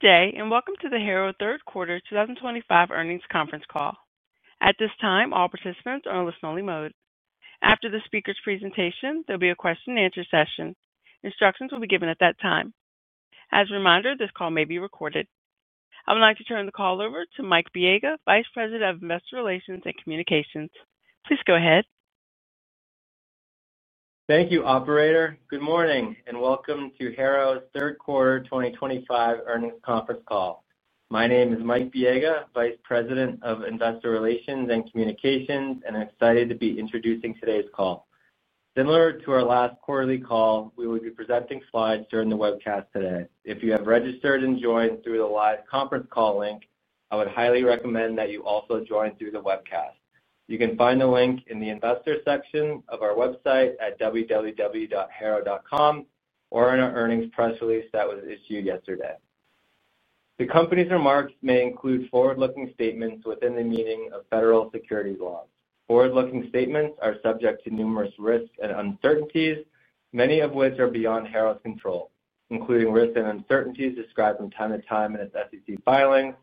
Good day, and welcome to the Harrow Third Quarter 2025 Earnings Conference Call. At this time, all participants are in a listen-only mode. After the speaker's presentation, there'll be a question-and-answer session. Instructions will be given at that time. As a reminder, this call may be recorded. I would like to turn the call over to Mike Biega, Vice President of Investor Relations and Communications. Please go ahead. Thank you, Operator. Good morning, and welcome to Harrow's Third Quarter 2025 Earnings Conference Call. My name is Mike Biega, Vice President of Investor Relations and Communications, and I'm excited to be introducing today's call. Similar to our last quarterly call, we will be presenting slides during the webcast today. If you have registered and joined through the live conference call link, I would highly recommend that you also join through the webcast. You can find the link in the Investor section of our website at www.harrow.com or in our earnings press release that was issued yesterday. The company's remarks may include forward-looking statements within the meaning of federal securities laws. Forward-looking statements are subject to numerous risks and uncertainties, many of which are beyond Harrow's control, including risks and uncertainties described from time to time in its SEC filings,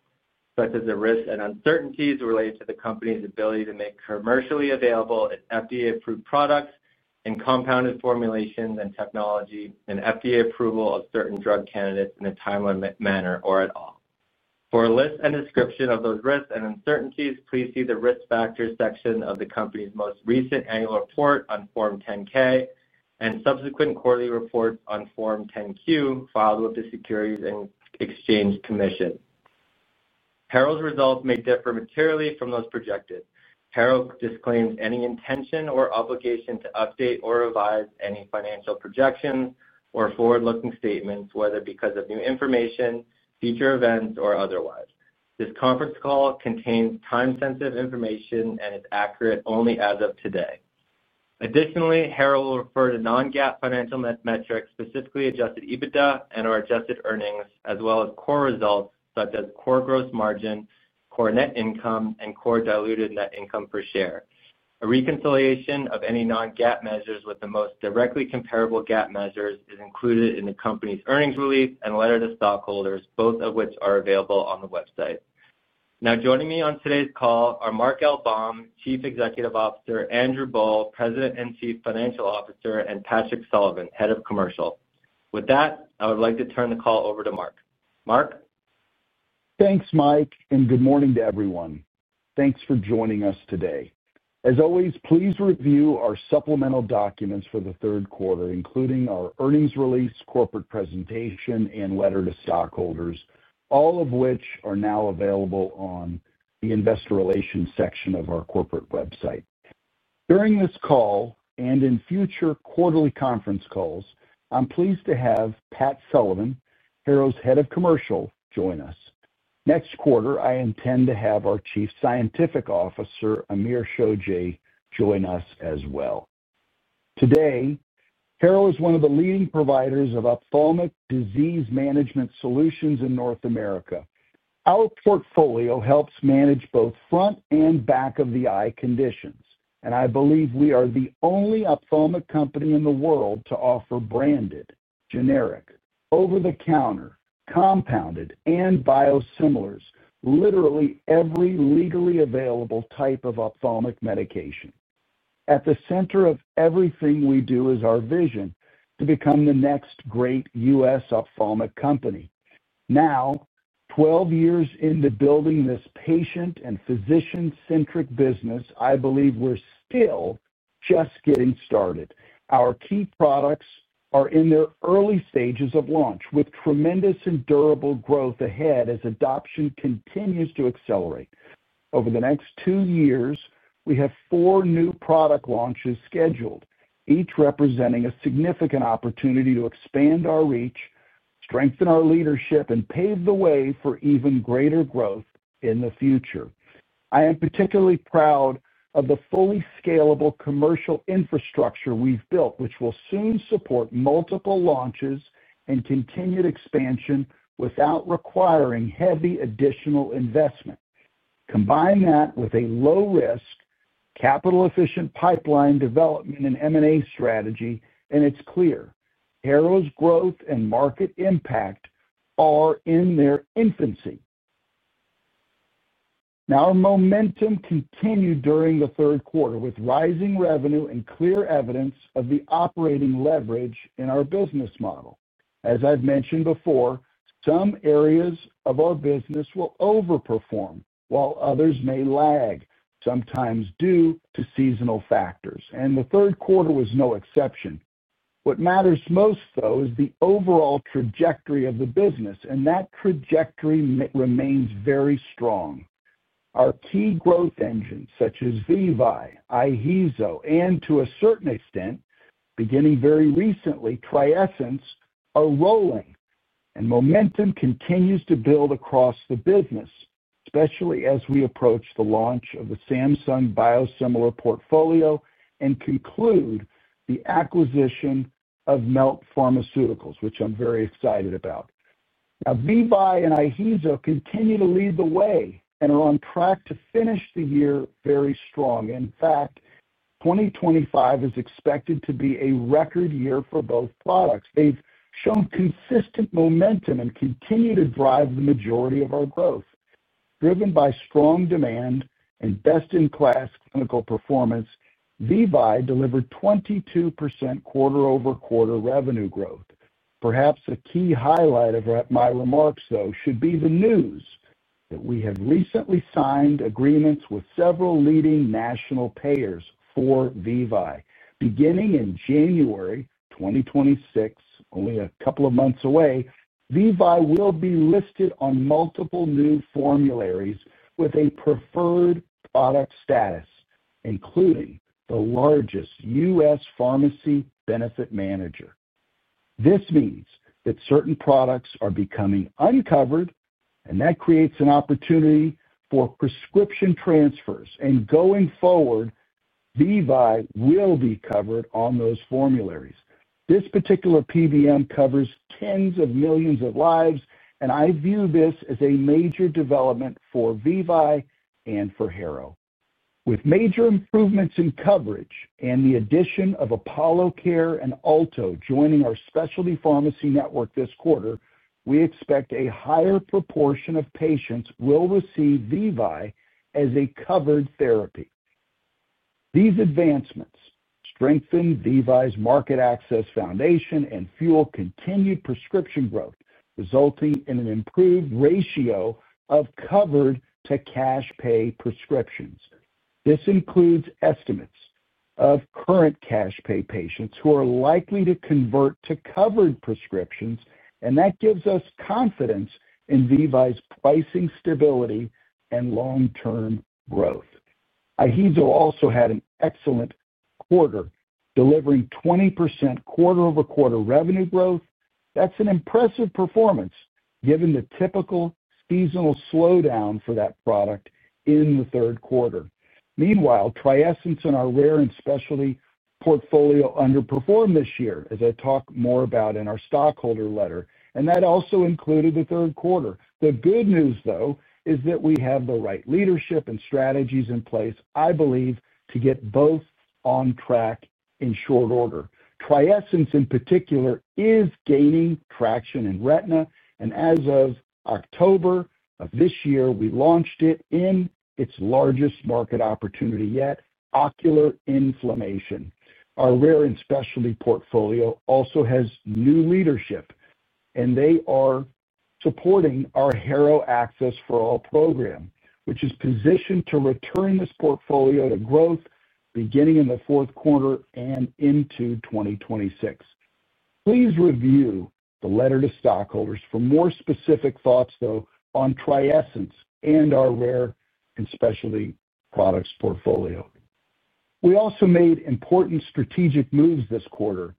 such as the risks and uncertainties related to the company's ability to make commercially available and FDA-approved products in compounded formulations and technology and FDA approval of certain drug candidates in a timely manner or at all. For a list and description of those risks and uncertainties, please see the Risk Factors section of the company's most recent annual report on Form 10-K and subsequent quarterly reports on Form 10-Q filed with the Securities and Exchange Commission. Harrow's results may differ materially from those projected. Harrow disclaims any intention or obligation to update or revise any financial projections or forward-looking statements, whether because of new information, future events, or otherwise. This conference call contains time-sensitive information and is accurate only as of today. Additionally, Harrow will refer to non-GAAP financial metrics, specifically adjusted EBITDA and/or adjusted earnings, as well as core results such as core gross margin, core net income, and core diluted net income per share. A reconciliation of any non-GAAP measures with the most directly comparable GAAP measures is included in the company's earnings release and letter to stockholders, both of which are available on the website. Now, joining me on today's call are Mark L. Baum, Chief Executive Officer; Andrew Boll, President and Chief Financial Officer; and Patrick Sullivan, Head of Commercial. With that, I would like to turn the call over to Mark. Mark? Thanks, Mike, and good morning to everyone. Thanks for joining us today. As always, please review our supplemental documents for the third quarter, including our earnings release, corporate presentation, and letter to stockholders, all of which are now available on the Investor Relations section of our corporate website. During this call and in future quarterly conference calls, I'm pleased to have Pat Sullivan, Harrow's Head of Commercial, join us. Next quarter, I intend to have our Chief Scientific Officer, Amir Shojaei, join us as well. Today, Harrow is one of the leading providers of ophthalmic disease management solutions in North America. Our portfolio helps manage both front and back-of-the-eye conditions, and I believe we are the only ophthalmic company in the world to offer branded, generic, over-the-counter, compounded, and biosimilars, literally every legally available type of ophthalmic medication. At the center of everything we do is our vision to become the next great U.S. ophthalmic company. Now, 12 years into building this patient and physician-centric business, I believe we're still just getting started. Our key products are in their early stages of launch, with tremendous and durable growth ahead as adoption continues to accelerate. Over the next two years, we have four new product launches scheduled, each representing a significant opportunity to expand our reach, strengthen our leadership, and pave the way for even greater growth in the future. I am particularly proud of the fully scalable commercial infrastructure we've built, which will soon support multiple launches and continued expansion without requiring heavy additional investment. Combine that with a low-risk, capital-efficient pipeline development and M&A strategy, and it's clear Harrow's growth and market impact are in their infancy. Now, our momentum continued during the third quarter with rising revenue and clear evidence of the operating leverage in our business model. As I've mentioned before, some areas of our business will overperform, while others may lag, sometimes due to seasonal factors, and the third quarter was no exception. What matters most, though, is the overall trajectory of the business, and that trajectory remains very strong. Our key growth engines, such as VEVYE, IHEEZO, and, to a certain extent, beginning very recently, TRIESENCE, are rolling, and momentum continues to build across the business, especially as we approach the launch of the Samsung Bioepis biosimilar portfolio and conclude the acquisition of Melt Pharmaceuticals, which I'm very excited about. Now, VEVYE and IHEEZO continue to lead the way and are on track to finish the year very strong. In fact, 2025 is expected to be a record year for both products. They've shown consistent momentum and continue to drive the majority of our growth. Driven by strong demand and best-in-class clinical performance, VEVYE delivered 22% quarter-over-quarter revenue growth. Perhaps a key highlight of my remarks, though, should be the news that we have recently signed agreements with several leading national payers for VEVYE. Beginning in January 2026, only a couple of months away, VEVYE will be listed on multiple new formularies with a preferred product status, including the largest U.S. Pharmacy Benefit Manager. This means that certain products are becoming uncovered, and that creates an opportunity for prescription transfers. Going forward, VEVYE will be covered on those formularies. This particular PBM covers tens of millions of lives, and I view this as a major development for VEVYE and for Harrow. With major improvements in coverage and the addition of ApolloCare and Alto joining our specialty pharmacy network this quarter, we expect a higher proportion of patients will receive VEVYE as a covered therapy. These advancements strengthen VEVYE's market access foundation and fuel continued prescription growth, resulting in an improved ratio of covered to cash pay prescriptions. This includes estimates of current cash pay patients who are likely to convert to covered prescriptions, and that gives us confidence in VEVYE's pricing stability and long-term growth. IHEEZO also had an excellent quarter, delivering 20% quarter-over-quarter revenue growth. That's an impressive performance given the typical seasonal slowdown for that product in the third quarter. Meanwhile, TRIESENCE and our rare and specialty portfolio underperformed this year, as I talk more about in our stockholder letter, and that also included the third quarter. The good news, though, is that we have the right leadership and strategies in place, I believe, to get both on track in short order. TRIESENCE, in particular, is gaining traction in retina, and as of October of this year, we launched it in its largest market opportunity yet, ocular inflammation. Our rare and specialty portfolio also has new leadership, and they are supporting our Harrow Access for All program, which is positioned to return this portfolio to growth beginning in the fourth quarter and into 2026. Please review the letter to stockholders for more specific thoughts, though, on TRIESENCE and our rare and specialty products portfolio. We also made important strategic moves this quarter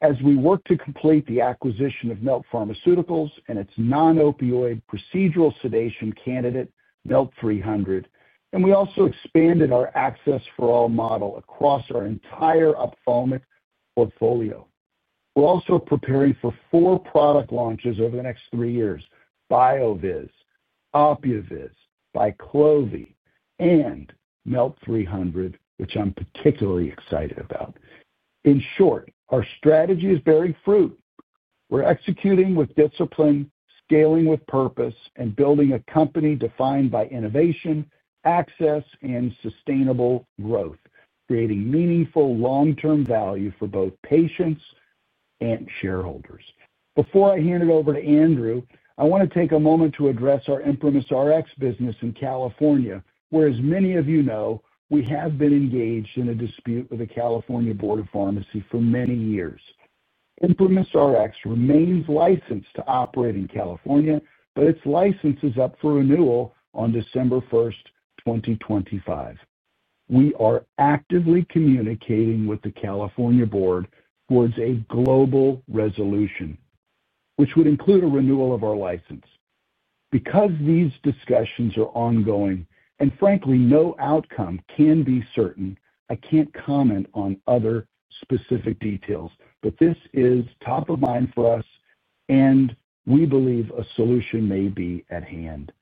as we worked to complete the acquisition of Melt Pharmaceuticals and its non-opioid procedural sedation candidate, Melt 300, and we also expanded our Access for All model across our entire ophthalmic portfolio. We're also preparing for four product launches over the next three years: BioViz, OpioViz, Biclovi, and Melt 300, which I'm particularly excited about. In short, our strategy is bearing fruit. We're executing with discipline, scaling with purpose, and building a company defined by innovation, access, and sustainable growth, creating meaningful long-term value for both patients and shareholders. Before I hand it over to Andrew, I want to take a moment to address our ImprimisRx business in California, where, as many of you know, we have been engaged in a dispute with the California Board of Pharmacy for many years. ImprimisRx remains licensed to operate in California, but its license is up for renewal on December 1, 2025. We are actively communicating with the California Board towards a global resolution, which would include a renewal of our license. Because these discussions are ongoing and, frankly, no outcome can be certain, I can't comment on other specific details, but this is top of mind for us, and we believe a solution may be at hand.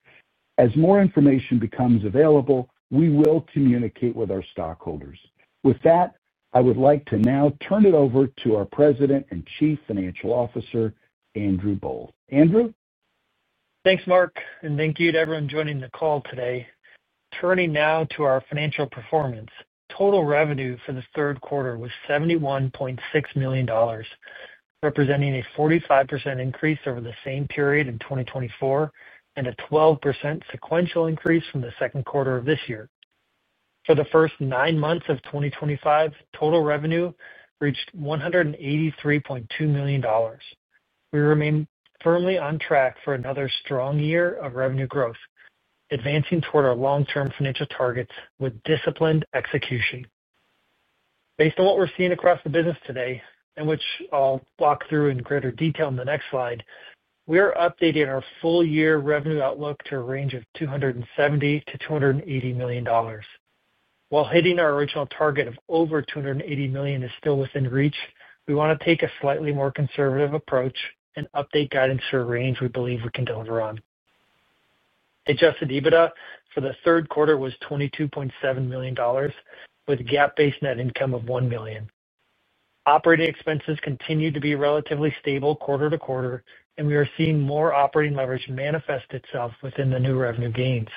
As more information becomes available, we will communicate with our stockholders. With that, I would like to now turn it over to our President and Chief Financial Officer, Andrew Boll. Andrew? Thanks, Mark, and thank you to everyone joining the call today. Turning now to our financial performance, total revenue for the third quarter was $71.6 million, representing a 45% increase over the same period in 2024 and a 12% sequential increase from the second quarter of this year. For the first nine months of 2025, total revenue reached $183.2 million. We remain firmly on track for another strong year of revenue growth, advancing toward our long-term financial targets with disciplined execution. Based on what we're seeing across the business today, which I'll walk through in greater detail in the next slide, we are updating our full-year revenue outlook to a range of $270-$280 million. While hitting our original target of over $280 million is still within reach, we want to take a slightly more conservative approach and update guidance for a range we believe we can deliver on. Adjusted EBITDA for the third quarter was $22.7 million, with GAAP-based net income of $1 million. Operating expenses continue to be relatively stable quarter to quarter, and we are seeing more operating leverage manifest itself within the new revenue gains.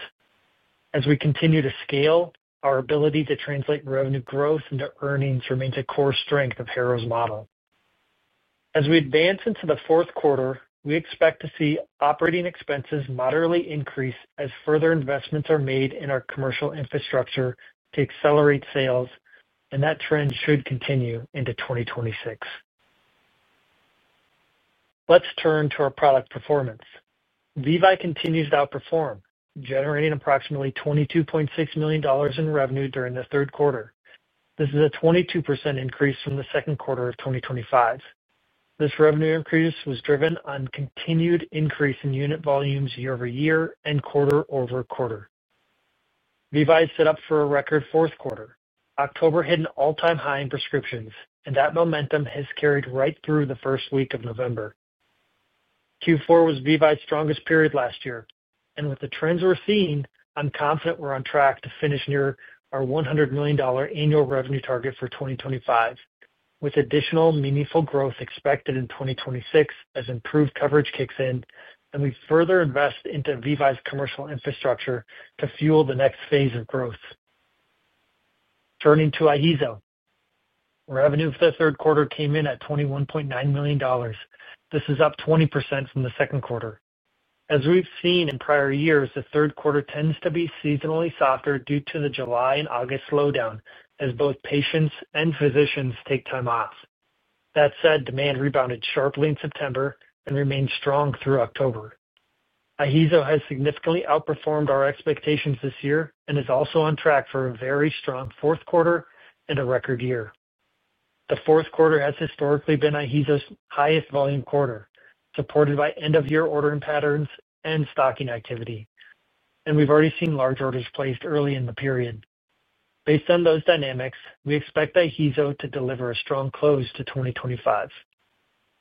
As we continue to scale, our ability to translate revenue growth into earnings remains a core strength of Harrow's model. As we advance into the fourth quarter, we expect to see operating expenses moderately increase as further investments are made in our commercial infrastructure to accelerate sales, and that trend should continue into 2026. Let's turn to our product performance. VEVYE continues to outperform, generating approximately $22.6 million in revenue during the third quarter. This is a 22% increase from the second quarter of 2025. This revenue increase was driven on continued increase in unit volumes year-over-year and quarter-over-quarter. VEVYE is set up for a record fourth quarter. October hit an all-time high in prescriptions, and that momentum has carried right through the first week of November. Q4 was VEVYE's strongest period last year, and with the trends we're seeing, I'm confident we're on track to finish near our $100 million annual revenue target for 2025, with additional meaningful growth expected in 2026 as improved coverage kicks in and we further invest into VEVYE's commercial infrastructure to fuel the next phase of growth. Turning to IHEEZO, revenue for the third quarter came in at $21.9 million. This is up 20% from the second quarter. As we've seen in prior years, the third quarter tends to be seasonally softer due to the July and August slowdown as both patients and physicians take time off. That said, demand rebounded sharply in September and remained strong through October. IHEEZO has significantly outperformed our expectations this year and is also on track for a very strong fourth quarter and a record year. The fourth quarter has historically been IHEEZO's highest volume quarter, supported by end-of-year ordering patterns and stocking activity, and we've already seen large orders placed early in the period. Based on those dynamics, we expect IHEEZO to deliver a strong close to 2025.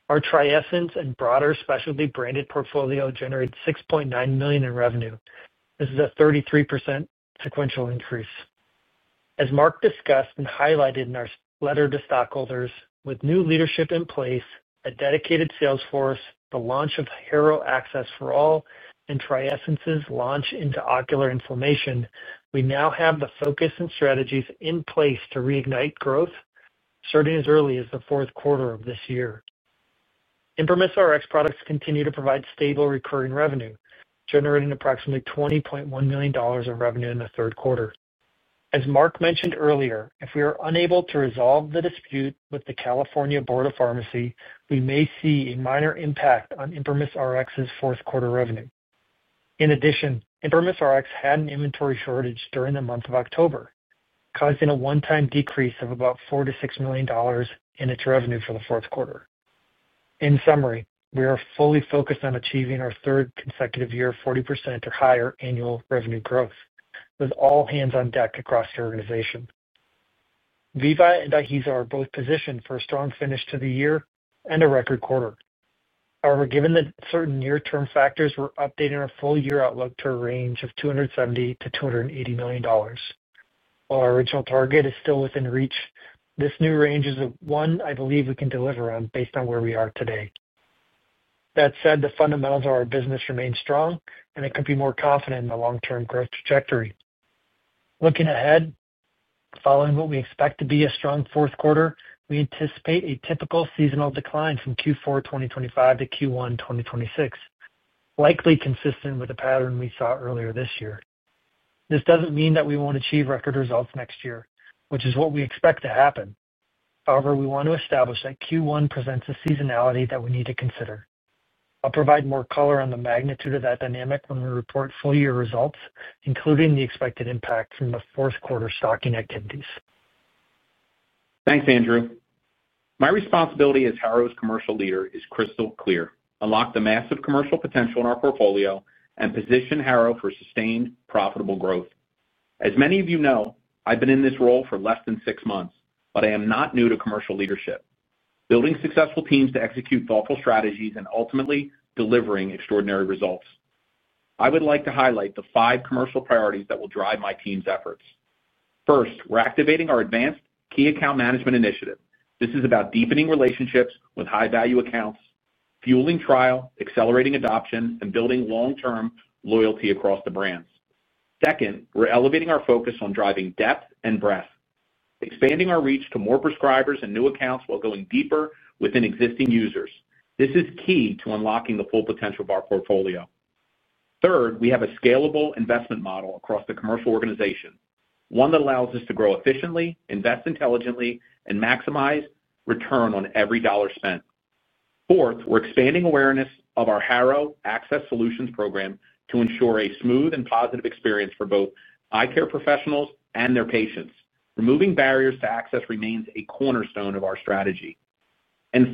Our TRIESENCE and broader specialty branded portfolio generated $6.9 million in revenue. This is a 33% sequential increase. As Mark discussed and highlighted in our letter to stockholders, with new leadership in place, a dedicated sales force, the launch of Harrow Access for All, and TRIESENCE's launch into ocular inflammation, we now have the focus and strategies in place to reignite growth, starting as early as the fourth quarter of this year. ImprimisRx products continue to provide stable recurring revenue, generating approximately $20.1 million in revenue in the third quarter. As Mark mentioned earlier, if we are unable to resolve the dispute with the California Board of Pharmacy, we may see a minor impact on ImprimisRx's fourth quarter revenue. In addition, ImprimisRx had an inventory shortage during the month of October, causing a one-time decrease of about $4–$6 million in its revenue for the fourth quarter. In summary, we are fully focused on achieving our third consecutive year of 40% or higher annual revenue growth, with all hands on deck across the organization. VEVYE and IHEEZO are both positioned for a strong finish to the year and a record quarter. However, given the certain near-term factors, we're updating our full-year outlook to a range of $270–$280 million. While our original target is still within reach, this new range is a one I believe we can deliver on based on where we are today. That said, the fundamentals of our business remain strong, and I could be more confident in the long-term growth trajectory. Looking ahead, following what we expect to be a strong fourth quarter, we anticipate a typical seasonal decline from Q4 2025–Q1 2026, likely consistent with the pattern we saw earlier this year. This does not mean that we will not achieve record results next year, which is what we expect to happen. However, we want to establish that Q1 presents a seasonality that we need to consider. I will provide more color on the magnitude of that dynamic when we report full-year results, including the expected impact from the fourth quarter stocking activities. Thanks, Andrew. My responsibility as Harrow's commercial leader is crystal clear: unlock the massive commercial potential in our portfolio and position Harrow for sustained, profitable growth. As many of you know, I've been in this role for less than six months, but I am not new to commercial leadership, building successful teams to execute thoughtful strategies and ultimately delivering extraordinary results. I would like to highlight the five commercial priorities that will drive my team's efforts. First, we're activating our advanced key account management initiative. This is about deepening relationships with high-value accounts, fueling trial, accelerating adoption, and building long-term loyalty across the brands. Second, we're elevating our focus on driving depth and breadth, expanding our reach to more prescribers and new accounts while going deeper within existing users. This is key to unlocking the full potential of our portfolio. Third, we have a scalable investment model across the commercial organization, one that allows us to grow efficiently, invest intelligently, and maximize return on every dollar spent. Fourth, we're expanding awareness of our Harrow Access Solutions program to ensure a smooth and positive experience for both eye care professionals and their patients. Removing barriers to access remains a cornerstone of our strategy.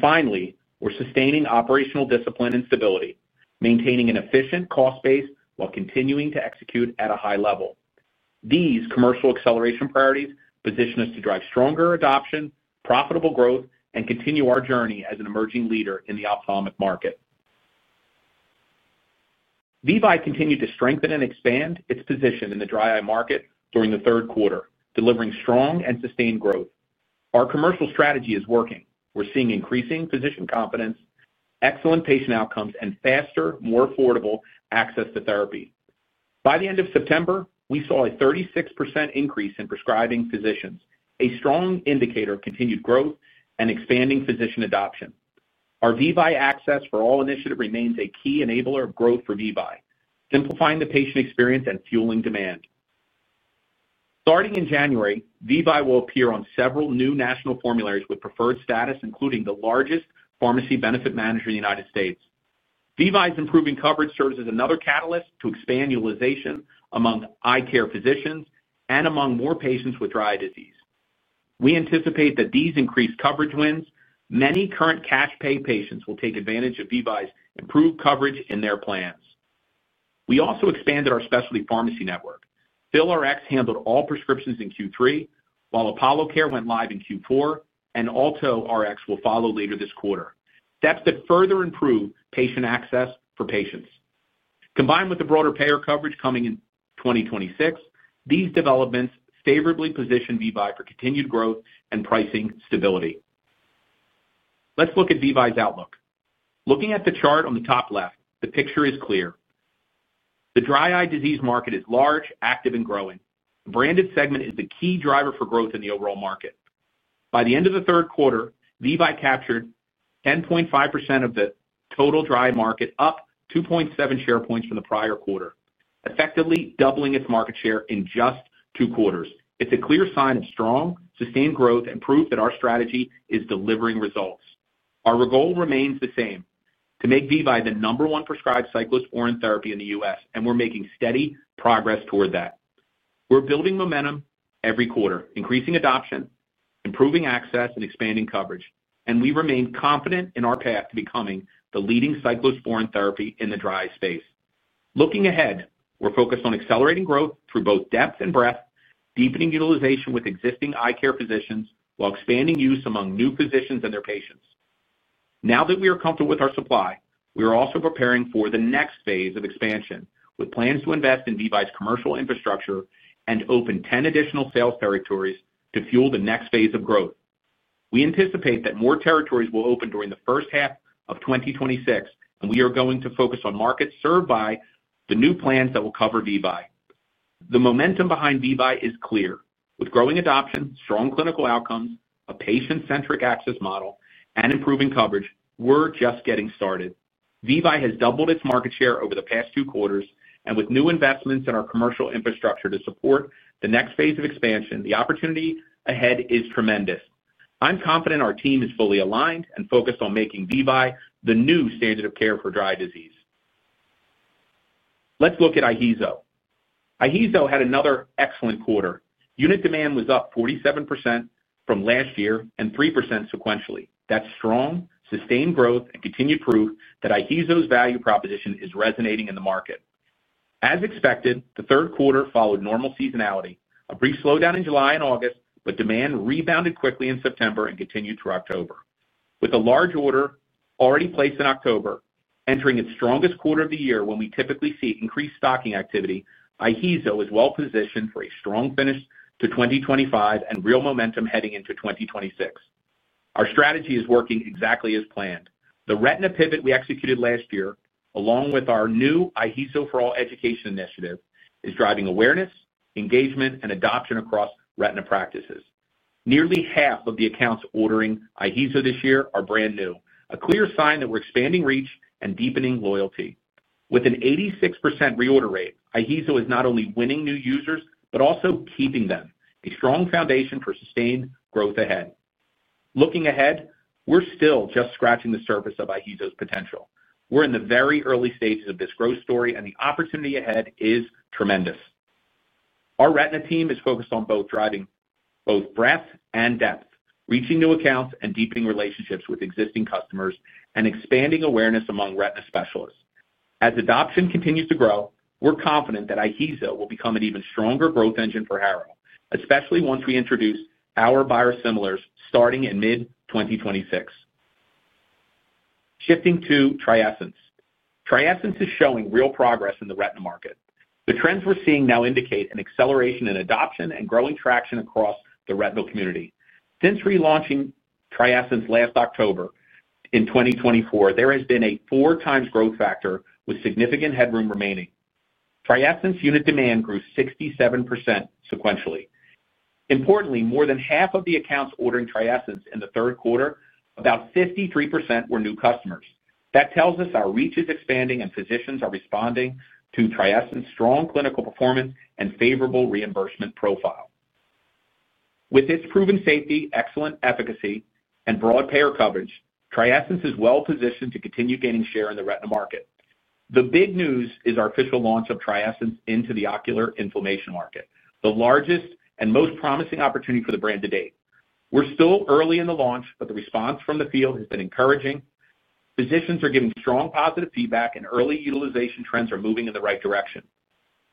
Finally, we're sustaining operational discipline and stability, maintaining an efficient cost base while continuing to execute at a high level. These commercial acceleration priorities position us to drive stronger adoption, profitable growth, and continue our journey as an emerging leader in the ophthalmic market. VEVYE continued to strengthen and expand its position in the dry eye market during the third quarter, delivering strong and sustained growth. Our commercial strategy is working. We're seeing increasing physician confidence, excellent patient outcomes, and faster, more affordable access to therapy. By the end of September, we saw a 36% increase in prescribing physicians, a strong indicator of continued growth and expanding physician adoption. Our VEVYE Access for All initiative remains a key enabler of growth for VEVYE, simplifying the patient experience and fueling demand. Starting in January, VEVYE will appear on several new national formularies with preferred status, including the largest Pharmacy Benefit Manager in the United States. VEVYE's improving coverage serves as another catalyst to expand utilization among eye care physicians and among more patients with dry eye disease. We anticipate that these increased coverage wins. Many current cash-pay patients will take advantage of VEVYE's improved coverage in their plans. We also expanded our specialty pharmacy network. PhilRx handled all prescriptions in Q3, while ApolloCare went live in Q4, and AltoRx will follow later this quarter. Steps to further improve patient access for patients. Combined with the broader payer coverage coming in 2026, these developments favorably position VEVYE for continued growth and pricing stability. Let's look at VEVYE's outlook. Looking at the chart on the top left, the picture is clear. The dry eye disease market is large, active, and growing. The branded segment is the key driver for growth in the overall market. By the end of the third quarter, VEVYE captured 10.5% of the total dry eye market, up 2.7 share points from the prior quarter, effectively doubling its market share in just two quarters. It's a clear sign of strong, sustained growth and proof that our strategy is delivering results. Our goal remains the same: to make VEVYE the number one prescribed cyclosporine therapy in the U.S., and we're making steady progress toward that. We're building momentum every quarter, increasing adoption, improving access, and expanding coverage, and we remain confident in our path to becoming the leading cyclosporine therapy in the dry eye space. Looking ahead, we're focused on accelerating growth through both depth and breadth, deepening utilization with existing eye care physicians while expanding use among new physicians and their patients. Now that we are comfortable with our supply, we are also preparing for the next phase of expansion with plans to invest in VEVYE's commercial infrastructure and open 10 additional sales territories to fuel the next phase of growth. We anticipate that more territories will open during the first half of 2026, and we are going to focus on markets served by the new plans that will cover VEVYE. The momentum behind VEVYE is clear. With growing adoption, strong clinical outcomes, a patient-centric access model, and improving coverage, we're just getting started. VEVYE has doubled its market share over the past two quarters, and with new investments in our commercial infrastructure to support the next phase of expansion, the opportunity ahead is tremendous. I'm confident our team is fully aligned and focused on making VEVYE the new standard of care for dry eye disease. Let's look at IHEEZO. IHEEZO had another excellent quarter. Unit demand was up 47% from last year and 3% sequentially. That's strong, sustained growth, and continued proof that IHEEZO's value proposition is resonating in the market. As expected, the third quarter followed normal seasonality. A brief slowdown in July and August, but demand rebounded quickly in September and continued through October. With a large order already placed in October, entering its strongest quarter of the year when we typically see increased stocking activity, IHEEZO is well positioned for a strong finish to 2025 and real momentum heading into 2026. Our strategy is working exactly as planned. The retina pivot we executed last year, along with our new IHEEZO for All education initiative, is driving awareness, engagement, and adoption across retina practices. Nearly half of the accounts ordering IHEEZO this year are brand new, a clear sign that we're expanding reach and deepening loyalty. With an 86% reorder rate, IHEEZO is not only winning new users but also keeping them, a strong foundation for sustained growth ahead. Looking ahead, we're still just scratching the surface of IHEEZO's potential. We're in the very early stages of this growth story, and the opportunity ahead is tremendous. Our retina team is focused on both driving both breadth and depth, reaching new accounts and deepening relationships with existing customers, and expanding awareness among retina specialists. As adoption continues to grow, we're confident that IHEEZO will become an even stronger growth engine for Harrow, especially once we introduce our biosimilars starting in mid-2026. Shifting to TRIESENCE. TRIESENCE is showing real progress in the retina market. The trends we're seeing now indicate an acceleration in adoption and growing traction across the retinal community. Since relaunching TRIESENCE last October in 2024, there has been a four-times growth factor with significant headroom remaining. TRIESENCE unit demand grew 67% sequentially. Importantly, more than half of the accounts ordering TRIESENCE in the third quarter, about 53%, were new customers. That tells us our reach is expanding and physicians are responding to TRIESENCE's strong clinical performance and favorable reimbursement profile. With its proven safety, excellent efficacy, and broad payer coverage, TRIESENCE is well positioned to continue gaining share in the retina market. The big news is our official launch of TRIESENCE into the ocular inflammation market, the largest and most promising opportunity for the brand to date. We're still early in the launch, but the response from the field has been encouraging. Physicians are giving strong positive feedback, and early utilization trends are moving in the right direction.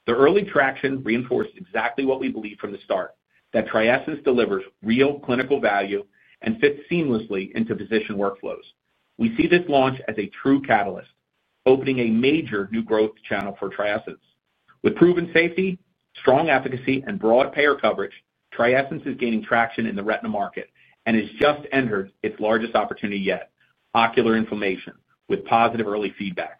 The early traction reinforced exactly what we believed from the start: that TRIESENCE delivers real clinical value and fits seamlessly into physician workflows. We see this launch as a true catalyst, opening a major new growth channel for TRIESENCE. With proven safety, strong efficacy, and broad payer coverage, TRIESENCE is gaining traction in the retina market and has just entered its largest opportunity yet: ocular inflammation with positive early feedback.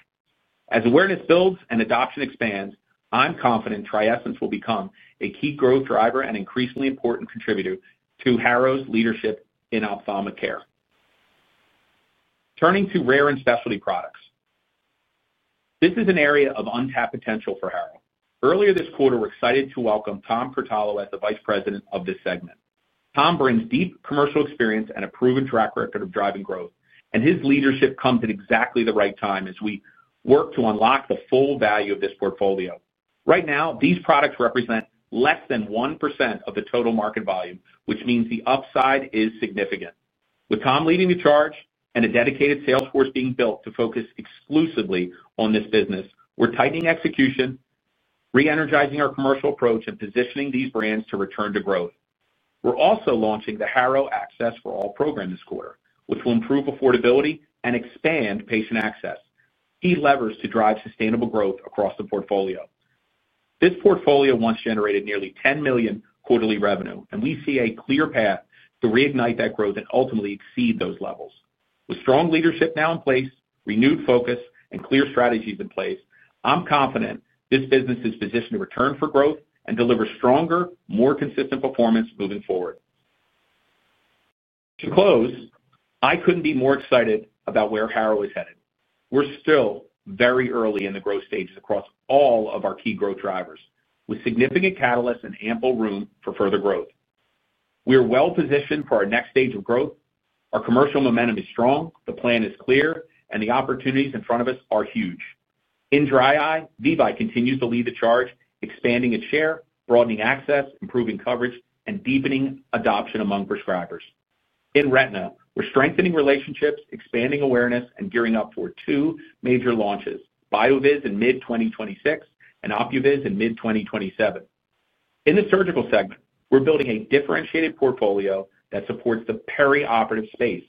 As awareness builds and adoption expands, I'm confident TRIESENCE will become a key growth driver and increasingly important contributor to Harrow's leadership in ophthalmic care. Turning to rare and specialty products, this is an area of untapped potential for Harrow. Earlier this quarter, we're excited to welcome Tom Pertallo as the Vice President of this segment. Tom brings deep commercial experience and a proven track record of driving growth, and his leadership comes at exactly the right time as we work to unlock the full value of this portfolio. Right now, these products represent less than 1% of the total market volume, which means the upside is significant. With Tom leading the charge and a dedicated sales force being built to focus exclusively on this business, we're tightening execution, re-energizing our commercial approach, and positioning these brands to return to growth. We're also launching the Harrow Access for All program this quarter, which will improve affordability and expand patient access. Key levers to drive sustainable growth across the portfolio. This portfolio once generated nearly $10 million quarterly revenue, and we see a clear path to reignite that growth and ultimately exceed those levels. With strong leadership now in place, renewed focus, and clear strategies in place, I'm confident this business is positioned to return for growth and deliver stronger, more consistent performance moving forward. To close, I couldn't be more excited about where Harrow is headed. We're still very early in the growth stages across all of our key growth drivers, with significant catalysts and ample room for further growth. We are well positioned for our next stage of growth. Our commercial momentum is strong, the plan is clear, and the opportunities in front of us are huge. In dry eye, VEVYE continues to lead the charge, expanding its share, broadening access, improving coverage, and deepening adoption among prescribers. In retina, we're strengthening relationships, expanding awareness, and gearing up for two major launches: BioViz in mid-2026 and OpioViz in mid-2027. In the surgical segment, we're building a differentiated portfolio that supports the perioperative space,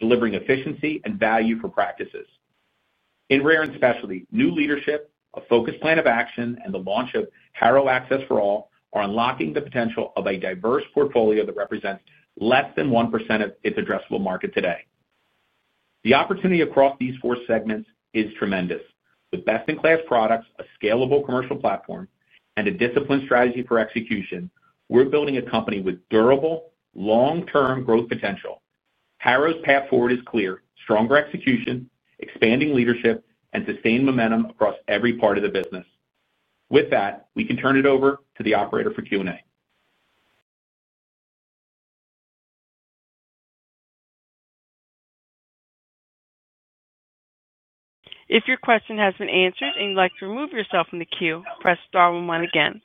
delivering efficiency and value for practices. In rare and specialty, new leadership, a focused plan of action, and the launch of Harrow Access for All are unlocking the potential of a diverse portfolio that represents less than 1% of its addressable market today. The opportunity across these four segments is tremendous. With best-in-class products, a scalable commercial platform, and a disciplined strategy for execution, we're building a company with durable, long-term growth potential. Harrow's path forward is clear: stronger execution, expanding leadership, and sustained momentum across every part of the business. With that, we can turn it over to the operator for Q&A. If your question has been answered and you'd like to remove yourself from the queue, press star one again.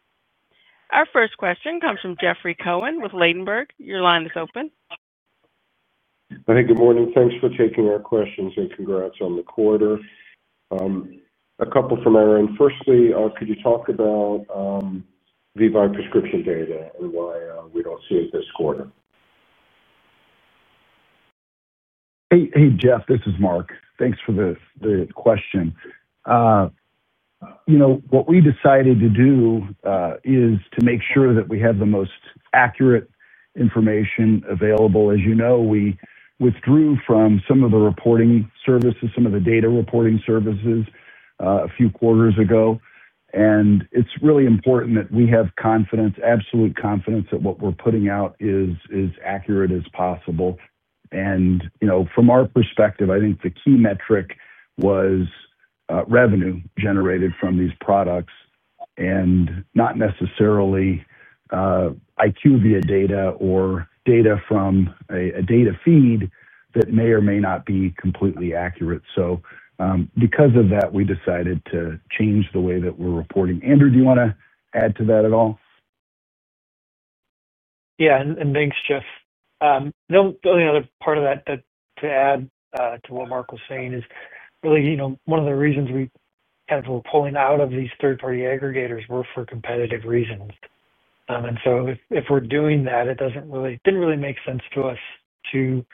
Our first question comes from Jeffrey Cohen with Ladenburg. Your line is open. Hey, good morning. Thanks for taking our questions and congrats on the quarter. A couple from Aaron. Firstly, could you talk about VEVYE prescription data and why we do not see it this quarter? Hey, Jeff, this is Mark. Thanks for the question. What we decided to do is to make sure that we have the most accurate information available. As you know, we withdrew from some of the reporting services, some of the data reporting services, a few quarters ago. It is really important that we have confidence, absolute confidence, that what we are putting out is as accurate as possible. From our perspective, I think the key metric was revenue generated from these products and not necessarily IQ via data or data from a data feed that may or may not be completely accurate. Because of that, we decided to change the way that we're reporting. Andrew, do you want to add to that at all? Yeah, and thanks, Jeff. The only other part of that to add to what Mark was saying is really one of the reasons we kind of were pulling out of these third-party aggregators were for competitive reasons. If we're doing that, it didn't really make sense to us to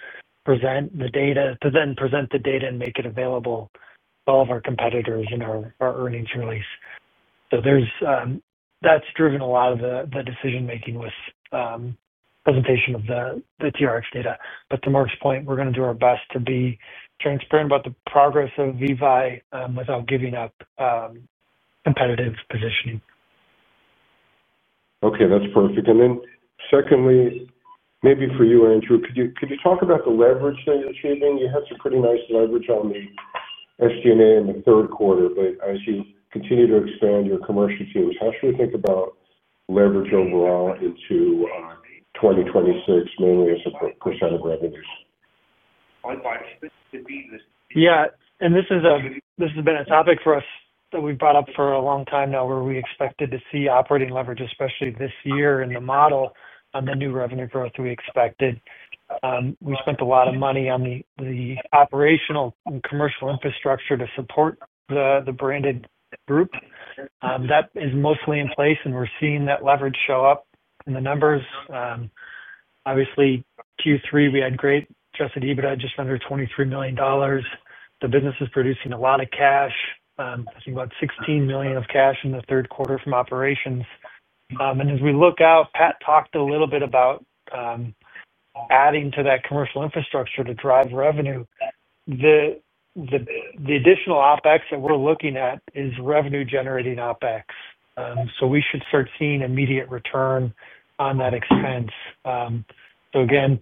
present the data, to then present the data and make it available to all of our competitors in our earnings release. That's driven a lot of the decision-making with presentation of the TRX data. To Mark's point, we're going to do our best to be transparent about the progress of VEVYE without giving up competitive positioning. Okay, that's perfect. Secondly, maybe for you, Andrew, could you talk about the leverage that you're achieving? You had some pretty nice leverage on the SG&A in the third quarter, but as you continue to expand your commercial teams, how should we think about leverage overall into 2026, mainly as a percent of revenues? Yeah, and this has been a topic for us that we've brought up for a long time now, where we expected to see operating leverage, especially this year in the model on the new revenue growth we expected. We spent a lot of money on the operational and commercial infrastructure to support the branded group. That is mostly in place, and we're seeing that leverage show up in the numbers. Obviously, Q3, we had great Chad Brines just under $23 million. The business is producing a lot of cash, about $16 million of cash in the third quarter from operations. As we look out, Pat talked a little bit about adding to that commercial infrastructure to drive revenue. The additional OpEx that we're looking at is revenue-generating OpEx. We should start seeing immediate return on that expense. Again,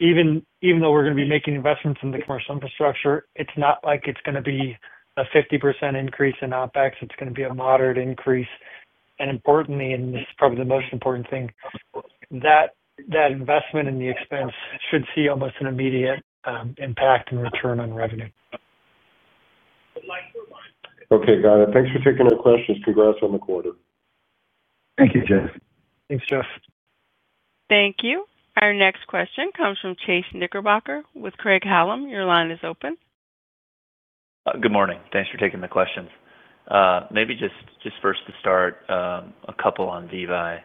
even though we're going to be making investments in the commercial infrastructure, it's not like it's going to be a 50% increase in OpEx. It's going to be a moderate increase. Importantly, and this is probably the most important thing, that investment in the expense should see almost an immediate impact and return on revenue. Okay, got it. Thanks for taking our questions. Congrats on the quarter. Thank you, Jeff. Thanks, Jeff. Thank you. Our next question comes from Chase Knickerbocker with Craig Hallum. Your line is open. Good morning. Thanks for taking the questions. Maybe just first to start, a couple on VEVYE.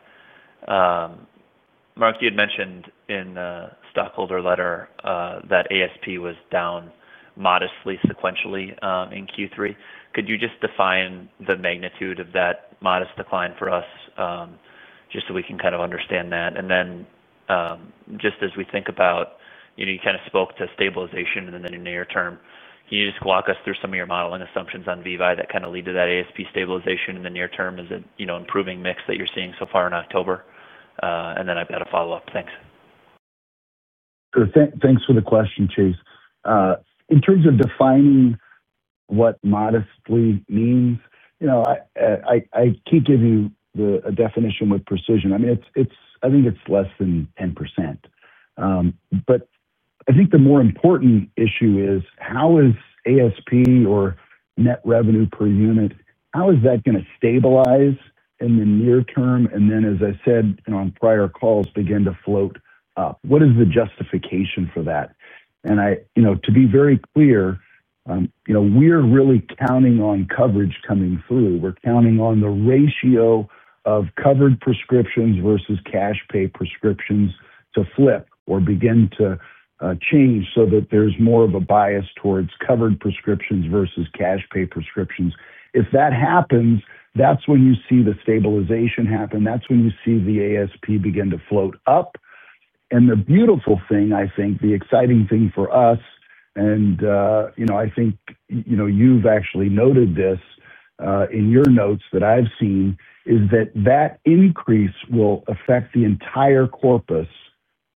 Mark, you had mentioned in the stockholder letter that ASP was down modestly sequentially in Q3. Could you just define the magnitude of that modest decline for us just so we can kind of understand that? And then just as we think about, you kind of spoke to stabilization in the near term. Can you just walk us through some of your modeling assumptions on VEVYE that kind of lead to that ASP stabilization in the near term? Is it improving mix that you're seeing so far in October? And then I've got a follow-up. Thanks. Thanks for the question, Chase. In terms of defining what modestly means, I can't give you a definition with precision. I mean, I think it's less than 10%. I think the more important issue is how is ASP or net revenue per unit, how is that going to stabilize in the near term? Then, as I said on prior calls, begin to float up. What is the justification for that? To be very clear, we're really counting on coverage coming through. We're counting on the ratio of covered prescriptions versus cash-pay prescriptions to flip or begin to change so that there's more of a bias towards covered prescriptions versus cash-pay prescriptions. If that happens, that's when you see the stabilization happen. That's when you see the ASP begin to float up. The beautiful thing, I think, the exciting thing for us, and I think you've actually noted this in your notes that I've seen, is that that increase will affect the entire corpus,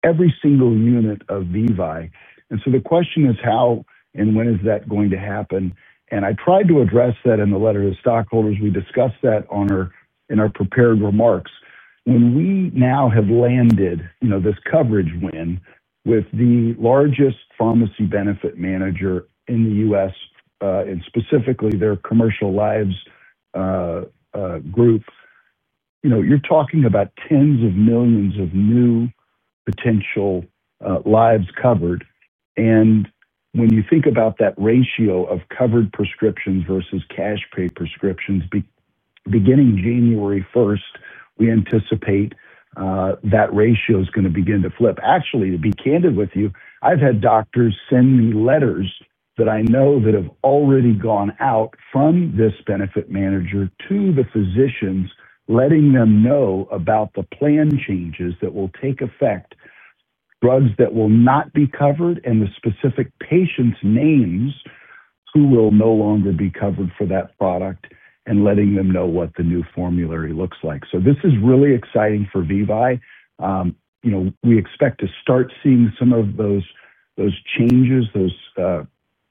every single unit of VEVYE. The question is how and when is that going to happen? I tried to address that in the letter to stockholders. We discussed that in our prepared remarks. We now have landed this coverage win with the largest Pharmacy Benefit Manager in the U.S., and specifically their commercial lives group. You're talking about tens of millions of new potential lives covered. When you think about that ratio of covered prescriptions versus cash-pay prescriptions, beginning January 1, we anticipate that ratio is going to begin to flip. Actually, to be candid with you, I've had doctors send me letters that I know that have already gone out from this benefit manager to the physicians, letting them know about the plan changes that will take effect, drugs that will not be covered, and the specific patients' names who will no longer be covered for that product, and letting them know what the new formulary looks like. This is really exciting for VEVYE. We expect to start seeing some of those changes, those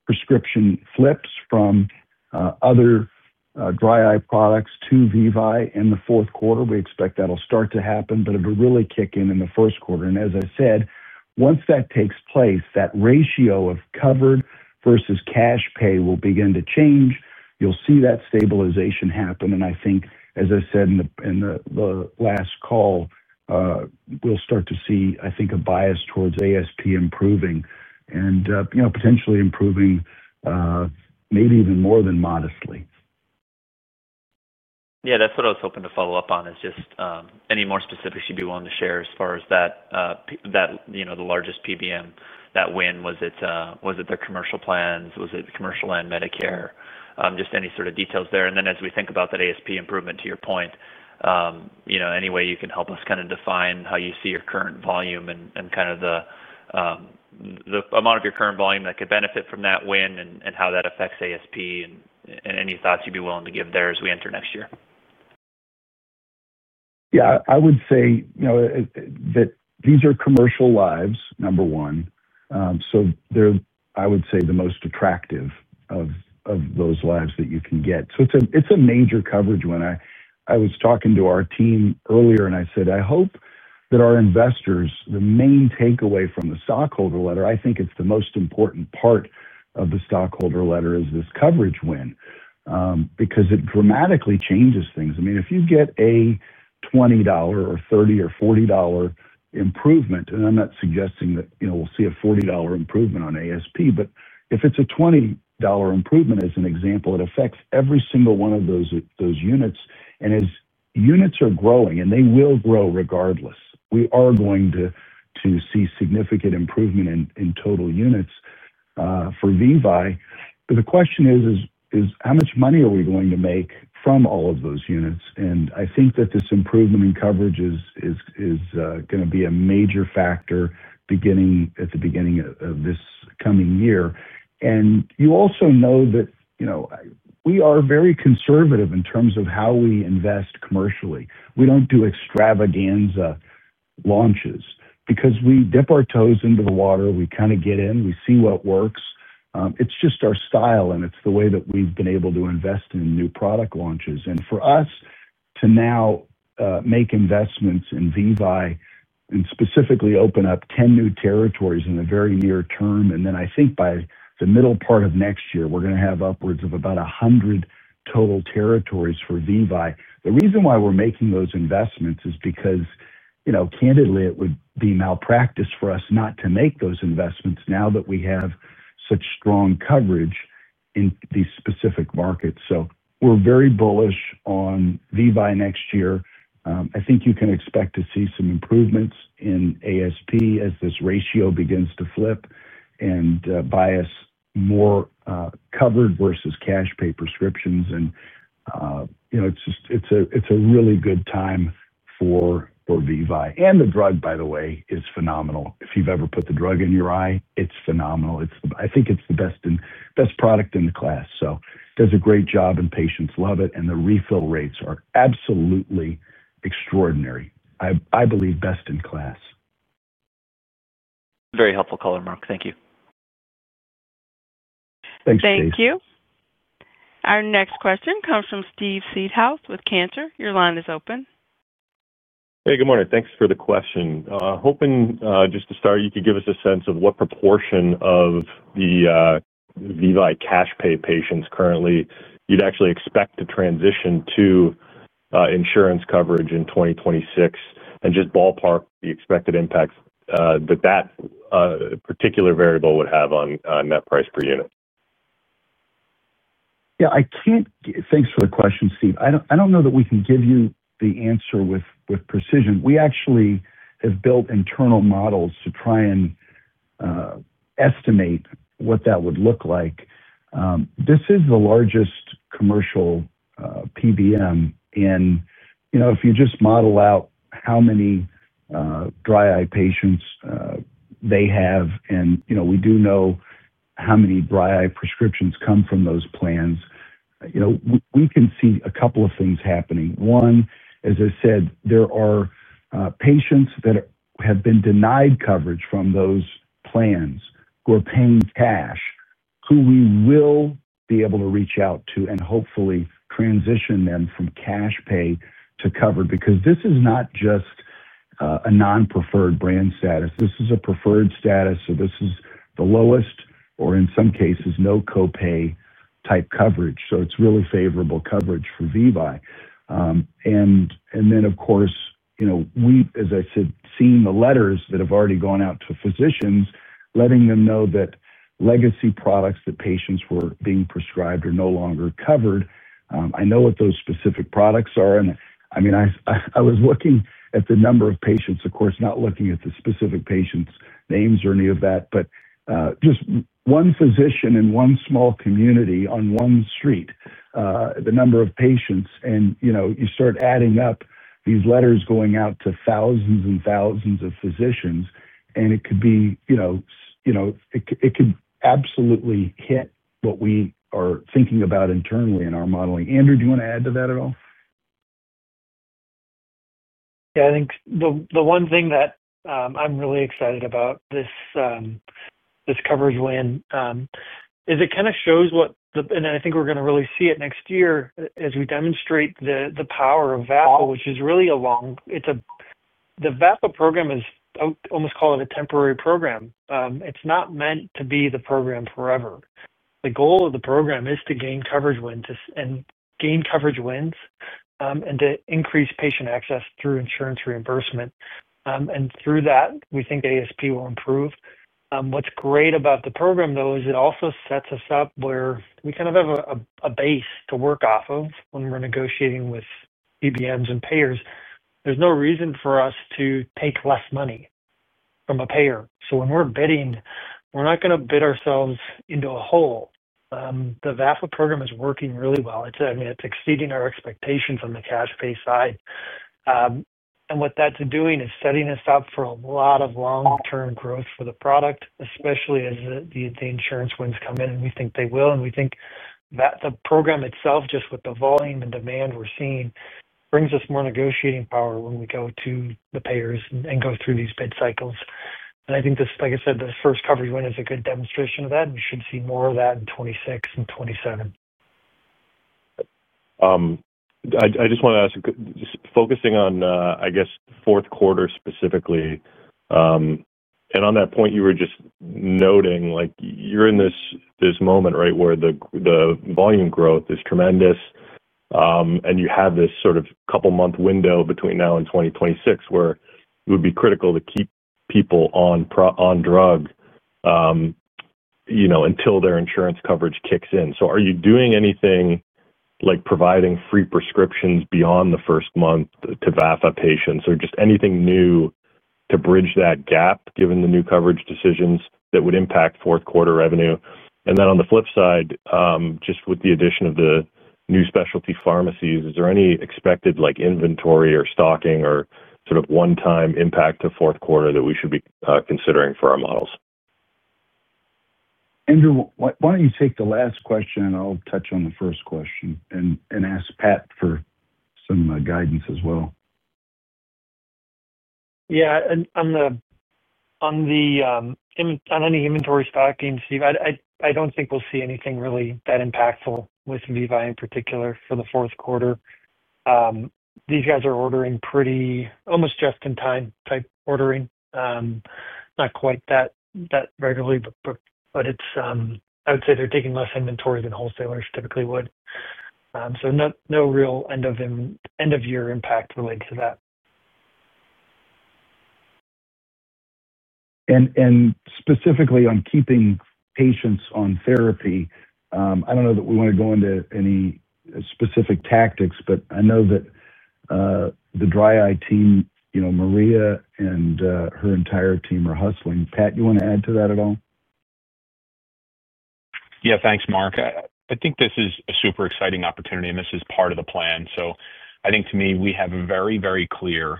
prescription flips from other dry eye products to VEVYE in the fourth quarter. We expect that'll start to happen, but it'll really kick in in the first quarter. As I said, once that takes place, that ratio of covered versus cash-pay will begin to change. You'll see that stabilization happen. I think, as I said in the last call, we'll start to see, I think, a bias towards ASP improving and potentially improving maybe even more than modestly. Yeah, that's what I was hoping to follow up on, is just any more specifics you'd be willing to share as far as that, the largest PBM, that win? Was it their commercial plans? Was it commercial and Medicare? Just any sort of details there. As we think about that ASP improvement, to your point, any way you can help us kind of define how you see your current volume and kind of the amount of your current volume that could benefit from that win and how that affects ASP and any thoughts you'd be willing to give there as we enter next year? Yeah, I would say that these are commercial lives, number one. They're, I would say, the most attractive of those lives that you can get. It's a major coverage win. I was talking to our team earlier, and I said, "I hope that our investors, the main takeaway from the stockholder letter, I think it's the most important part of the stockholder letter, is this coverage win because it dramatically changes things." I mean, if you get a $20 or $30 or $40 improvement, and I'm not suggesting that we'll see a $40 improvement on ASP, but if it's a $20 improvement, as an example, it affects every single one of those units. As units are growing, and they will grow regardless, we are going to see significant improvement in total units for VEVYE. The question is, how much money are we going to make from all of those units? I think that this improvement in coverage is going to be a major factor at the beginning of this coming year. You also know that we are very conservative in terms of how we invest commercially. We do not do extravaganza launches because we dip our toes into the water. We kind of get in. We see what works. It is just our style, and it is the way that we have been able to invest in new product launches. For us to now make investments in VEVYE and specifically open up 10 new territories in the very near term, I think by the middle part of next year, we are going to have upwards of about 100 total territories for VEVYE. The reason why we're making those investments is because, candidly, it would be malpractice for us not to make those investments now that we have such strong coverage in these specific markets. We're very bullish on VEVYE next year. I think you can expect to see some improvements in ASP as this ratio begins to flip and bias more covered versus cash-pay prescriptions. It's a really good time for VEVYE. The drug, by the way, is phenomenal. If you've ever put the drug in your eye, it's phenomenal. I think it's the best product in the class. It does a great job, and patients love it. The refill rates are absolutely extraordinary. I believe best in class. Very helpful caller, Mark. Thank you. Thanks, Chase. Thank you. Our next question comes from Steve Seedhouse with Cantor. Your line is open. Hey, good morning. Thanks for the question. Hoping just to start, you could give us a sense of what proportion of the VEVYE cash-pay patients currently you'd actually expect to transition to insurance coverage in 2026 and just ballpark the expected impact that that particular variable would have on net price per unit. Yeah, thanks for the question, Steve. I don't know that we can give you the answer with precision. We actually have built internal models to try and estimate what that would look like. This is the largest commercial PBM. If you just model out how many dry eye patients they have, and we do know how many dry eye prescriptions come from those plans, we can see a couple of things happening. One, as I said, there are patients that have been denied coverage from those plans who are paying cash, who we will be able to reach out to and hopefully transition them from cash-pay to cover because this is not just a non-preferred brand status. This is a preferred status, or this is the lowest, or in some cases, no copay type coverage. It is really favorable coverage for VEVYE. Of course, we, as I said, are seeing the letters that have already gone out to physicians, letting them know that legacy products that patients were being prescribed are no longer covered. I know what those specific products are. I was looking at the number of patients, of course, not looking at the specific patients' names or any of that, but just one physician in one small community on one street, the number of patients. You start adding up these letters going out to thousands and thousands of physicians, and it could absolutely hit what we are thinking about internally in our modeling. Andrew, do you want to add to that at all? Yeah, I think the one thing that I'm really excited about this coverage win is it kind of shows what the—and I think we're going to really see it next year as we demonstrate the power of VAPA, which is really a long—the VAPA program is almost called a temporary program. It's not meant to be the program forever. The goal of the program is to gain coverage wins and increase patient access through insurance reimbursement. Through that, we think ASP will improve. What's great about the program, though, is it also sets us up where we kind of have a base to work off of when we're negotiating with PBMs and payers. There's no reason for us to take less money from a payer. When we're bidding, we're not going to bid ourselves into a hole. The VAPA program is working really well. I mean, it's exceeding our expectations on the cash-pay side. What that's doing is setting us up for a lot of long-term growth for the product, especially as the insurance wins come in. We think they will. We think that the program itself, just with the volume and demand we're seeing, brings us more negotiating power when we go to the payers and go through these bid cycles. I think, like I said, the first coverage win is a good demonstration of that. We should see more of that in 2026 and 2027. I just want to ask, focusing on, I guess, fourth quarter specifically. On that point, you were just noting you're in this moment, right, where the volume growth is tremendous, and you have this sort of couple-month window between now and 2026 where it would be critical to keep people on drug until their insurance coverage kicks in. Are you doing anything like providing free prescriptions beyond the first month to VAPA patients or just anything new to bridge that gap given the new coverage decisions that would impact fourth-quarter revenue? On the flip side, just with the addition of the new specialty pharmacies, is there any expected inventory or stocking or sort of one-time impact to fourth quarter that we should be considering for our models? Andrew, why don't you take the last question, and I'll touch on the first question and ask Pat for some guidance as well. Yeah, on any inventory stocking, Steve, I don't think we'll see anything really that impactful with VEVYE in particular for the fourth quarter. These guys are ordering pretty almost just-in-time type ordering, not quite that regularly, but I would say they're taking less inventory than wholesalers typically would. No real end-of-year impact related to that. Specifically on keeping patients on therapy, I don't know that we want to go into any specific tactics, but I know that the dry eye team, Maria and her entire team are hustling. Pat, you want to add to that at all? Yeah, thanks, Mark. I think this is a super exciting opportunity, and this is part of the plan. I think, to me, we have a very, very clear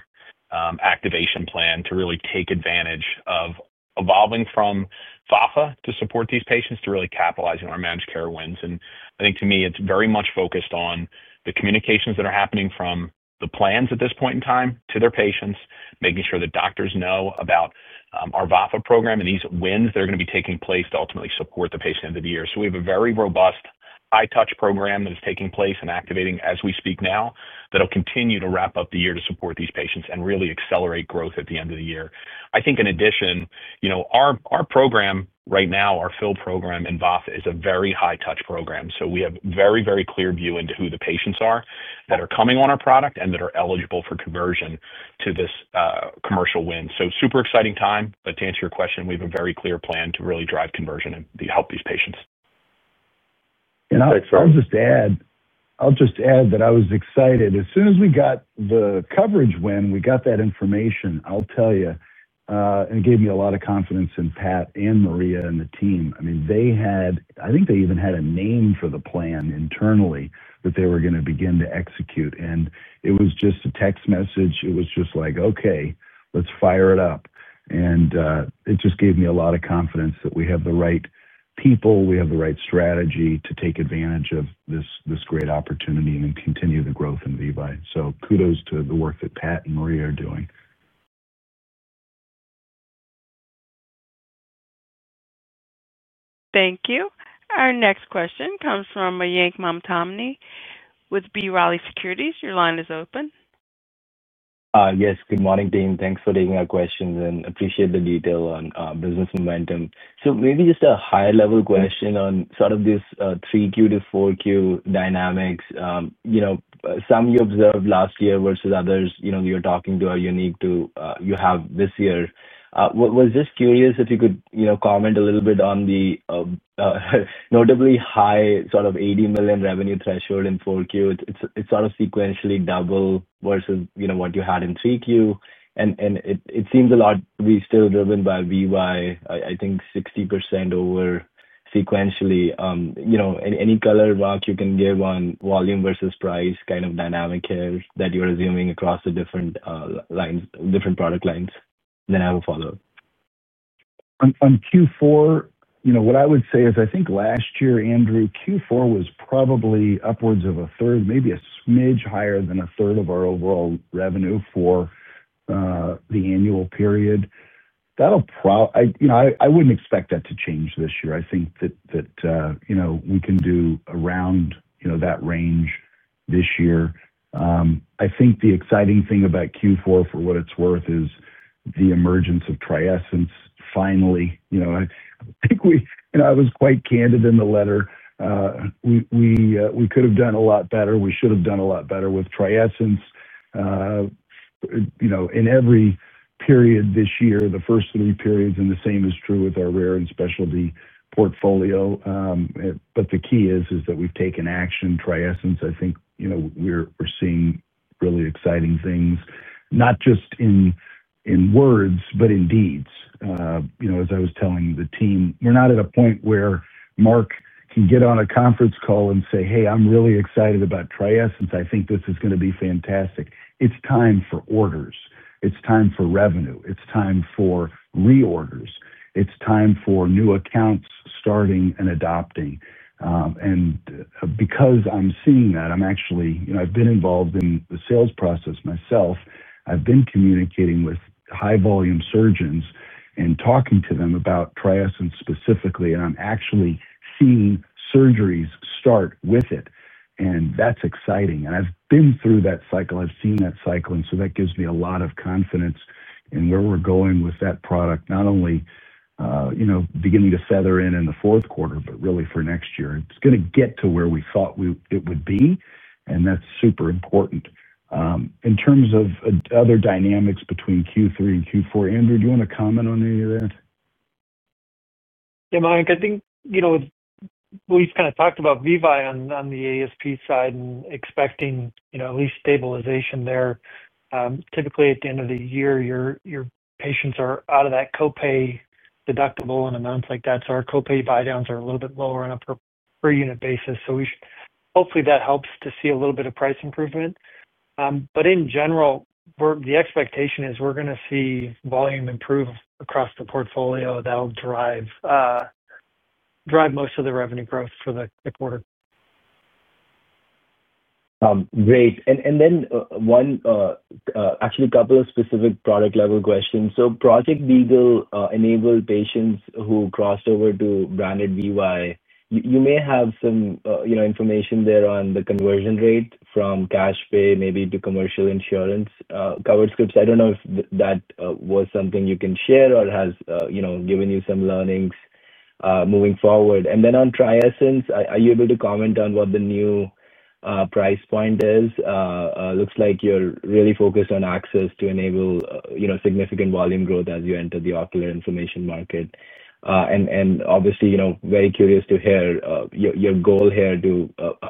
activation plan to really take advantage of evolving from FAPA to support these patients to really capitalize on our managed care wins. I think, to me, it is very much focused on the communications that are happening from the plans at this point in time to their patients, making sure that doctors know about our VAPA program and these wins that are going to be taking place to ultimately support the patient at the end of the year. We have a very robust high-touch program that is taking place and activating as we speak now that will continue to wrap up the year to support these patients and really accelerate growth at the end of the year. I think, in addition, our program right now, our fill program in VAPA, is a very high-touch program. We have a very, very clear view into who the patients are that are coming on our product and that are eligible for conversion to this commercial win. Super exciting time. To answer your question, we have a very clear plan to really drive conversion and help these patients. I'll just add that I was excited. As soon as we got the coverage win, we got that information, I'll tell you, and it gave me a lot of confidence in Pat and Maria and the team. I mean, I think they even had a name for the plan internally that they were going to begin to execute. It was just a text message. It was just like, "Okay, let's fire it up." It just gave me a lot of confidence that we have the right people, we have the right strategy to take advantage of this great opportunity and continue the growth in VEVYE. Kudos to the work that Pat and Maria are doing. Thank you. Our next question comes from Mayank Mamtani with B. Riley Securities. Your line is open. Yes, good morning, team. Thanks for taking our questions and appreciate the detail on business momentum. Maybe just a higher-level question on sort of these 3Q to 4Q dynamics. Some you observed last year versus others you're talking to are unique to you this year. I was just curious if you could comment a little bit on the notably high sort of $80 million revenue threshold in 4Q. It's sort of sequentially double versus what you had in 3Q. And it seems a lot to be still driven by VEVYE, I think 60% over. Sequentially. Any color, Mark, you can give on volume versus price kind of dynamic here that you're assuming across the different product lines. And then I have a follow-up. On Q4, what I would say is I think last year, Andrew, Q4 was probably upwards of a third, maybe a smidge higher than a third of our overall revenue for the annual period. I wouldn't expect that to change this year. I think that we can do around that range this year. I think the exciting thing about Q4 for what it's worth is the emergence of TRIESENCE finally. I think I was quite candid in the letter. We could have done a lot better. We should have done a lot better with TRIESENCE. In every period this year, the first three periods, the same is true with our rare and specialty portfolio. The key is that we've taken action. TRIESENCE, I think we're seeing really exciting things, not just in words, but in deeds. As I was telling the team, we're not at a point where Mark can get on a conference call and say, "Hey, I'm really excited about TRIESENCE. I think this is going to be fantastic." It is time for orders. It is time for revenue. It is time for reorders. It is time for new accounts starting and adopting. Because I'm seeing that, I'm actually—I have been involved in the sales process myself. I have been communicating with high-volume surgeons and talking to them about TRIESENCE specifically. I'm actually seeing surgeries start with it. That is exciting. I have been through that cycle. I have seen that cycle. That gives me a lot of confidence in where we're going with that product, not only beginning to feather in in the fourth quarter, but really for next year. It's going to get to where we thought it would be. That's super important. In terms of other dynamics between Q3 and Q4, Andrew, do you want to comment on any of that? Yeah, Mike, I think we've kind of talked about VEVYE on the ASP side and expecting at least stabilization there. Typically, at the end of the year, your patients are out of that copay deductible and amounts like that. Our copay buy-downs are a little bit lower on a per-unit basis. Hopefully, that helps to see a little bit of price improvement. In general, the expectation is we're going to see volume improve across the portfolio. That'll drive most of the revenue growth for the quarter. Great. Actually, a couple of specific product-level questions. Project BYQLOVI enabled patients who crossed over to branded VEVYE. You may have some information there on the conversion rate from cash-pay maybe to commercial insurance coverage groups. I don't know if that was something you can share or has given you some learnings moving forward. On TRIESENCE, are you able to comment on what the new price point is? Looks like you're really focused on access to enable significant volume growth as you enter the ocular inflammation market. Obviously, very curious to hear your goal here,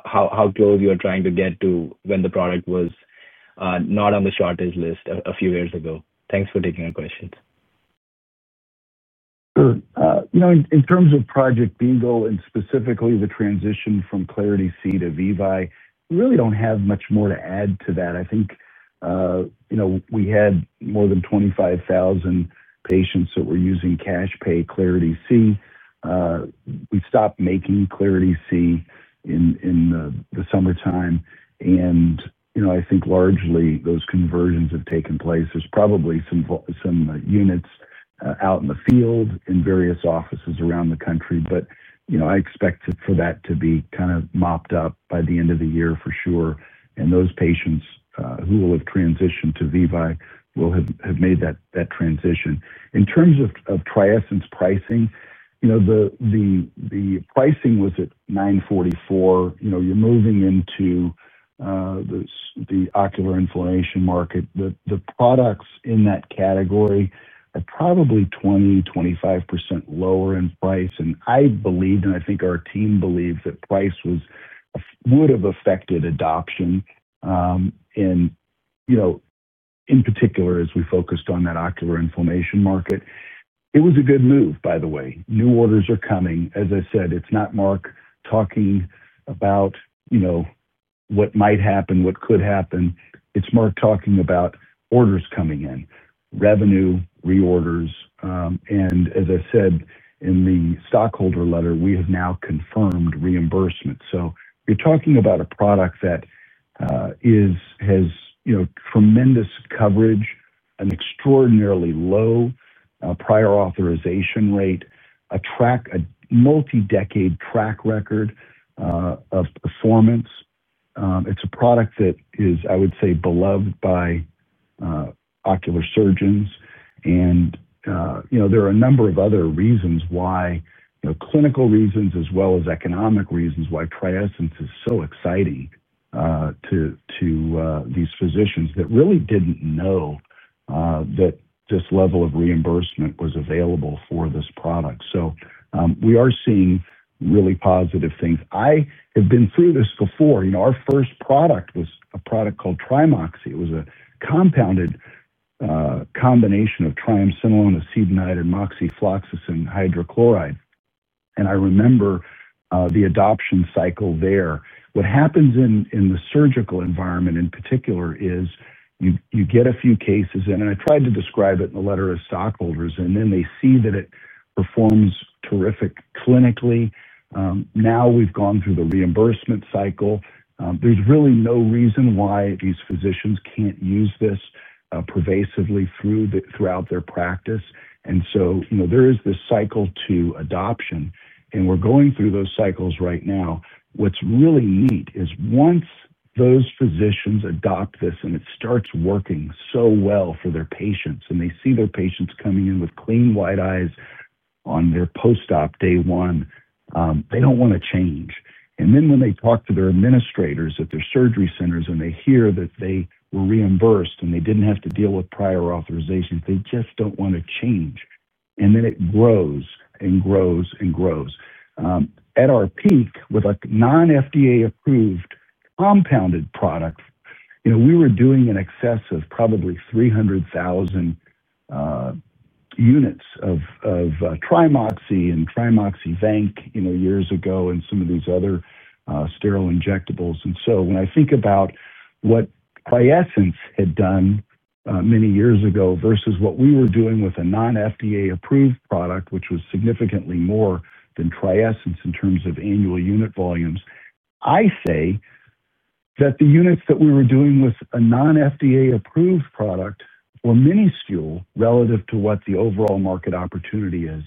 how close you are trying to get to when the product was not on the shortage list a few years ago. Thanks for taking our questions. In terms of Project Beagle and specifically the transition from Clarity C to Vivi, we really do not have much more to add to that. I think we had more than 25,000 patients that were using cash-pay Clarity C. We stopped making Clarity C in the summertime. I think largely those conversions have taken place. There are probably some units out in the field in various offices around the country. I expect for that to be kind of mopped up by the end of the year for sure. Those patients who will have transitioned to Vivi will have made that transition. In terms of TRIESENCE pricing, the pricing was at $944. You are moving into the ocular inflammation market. The products in that category are probably 20%–25% lower in price. I believe, and I think our team believes, that price would have affected adoption. In particular, as we focused on that ocular inflammation market, it was a good move, by the way. New orders are coming. As I said, it is not Mark talking about what might happen, what could happen. It is Mark talking about orders coming in, revenue, reorders. As I said in the stockholder letter, we have now confirmed reimbursement. You are talking about a product that has tremendous coverage, an extraordinarily low prior authorization rate, a multi-decade track record of performance. It is a product that is, I would say, beloved by ocular surgeons. There are a number of other reasons why, clinical reasons as well as economic reasons, why TRIESENCE is so exciting to these physicians that really did not know that this level of reimbursement was available for this product. We are seeing really positive things. I have been through this before. Our first product was a product called Trimoxy. It was a compounded combination of triamcinolone acetonide and moxifloxacin hydrochloride. I remember the adoption cycle there. What happens in the surgical environment in particular is you get a few cases, I tried to describe it in the letter as stockholders, and then they see that it performs terrific clinically. Now we've gone through the reimbursement cycle. There's really no reason why these physicians can't use this pervasively throughout their practice. There is this cycle to adoption. We're going through those cycles right now. What's really neat is once those physicians adopt this and it starts working so well for their patients and they see their patients coming in with clean white eyes on their post-op day one, they don't want to change. When they talk to their administrators at their surgery centers and they hear that they were reimbursed and they did not have to deal with prior authorization, they just do not want to change. It grows and grows and grows. At our peak with a non-FDA-approved compounded product, we were doing in excess of probably 300,000 units of Trimoxy and Trimoxy Venk years ago and some of these other sterile injectables. When I think about what TRIESENCE had done many years ago versus what we were doing with a non-FDA-approved product, which was significantly more than TRIESENCE in terms of annual unit volumes, I say that the units that we were doing with a non-FDA-approved product were minuscule relative to what the overall market opportunity is.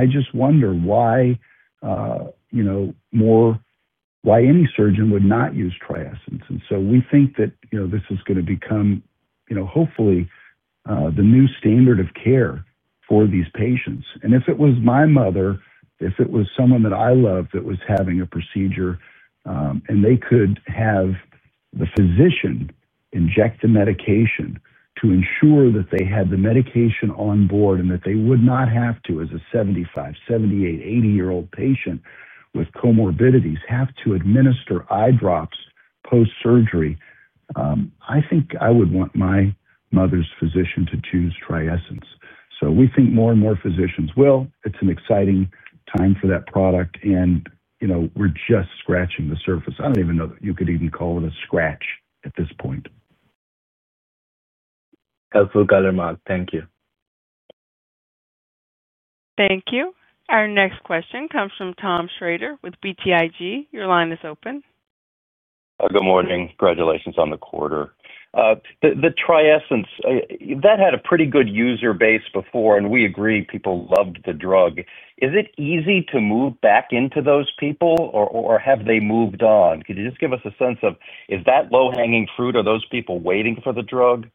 I just wonder why any surgeon would not use TRIESENCE. We think that this is going to become hopefully the new standard of care for these patients. If it was my mother, if it was someone that I loved that was having a procedure and they could have the physician inject the medication to ensure that they had the medication on board and that they would not have to, as a 75, 78, 80-year-old patient with comorbidities, have to administer eye drops post-surgery, I think I would want my mother's physician to choose TRIESENCE. We think more and more physicians will. It's an exciting time for that product. We're just scratching the surface. I don't even know that you could even call it a scratch at this point. Absolute color, Mark. Thank you. Thank you. Our next question comes from Tom Shrader with BTIG. Your line is open. Good morning. Congratulations on the quarter. The TRIESENCE, that had a pretty good user base before, and we agree people loved the drug. Is it easy to move back into those people, or have they moved on? Could you just give us a sense of is that low-hanging fruit? Are those people waiting for the drug?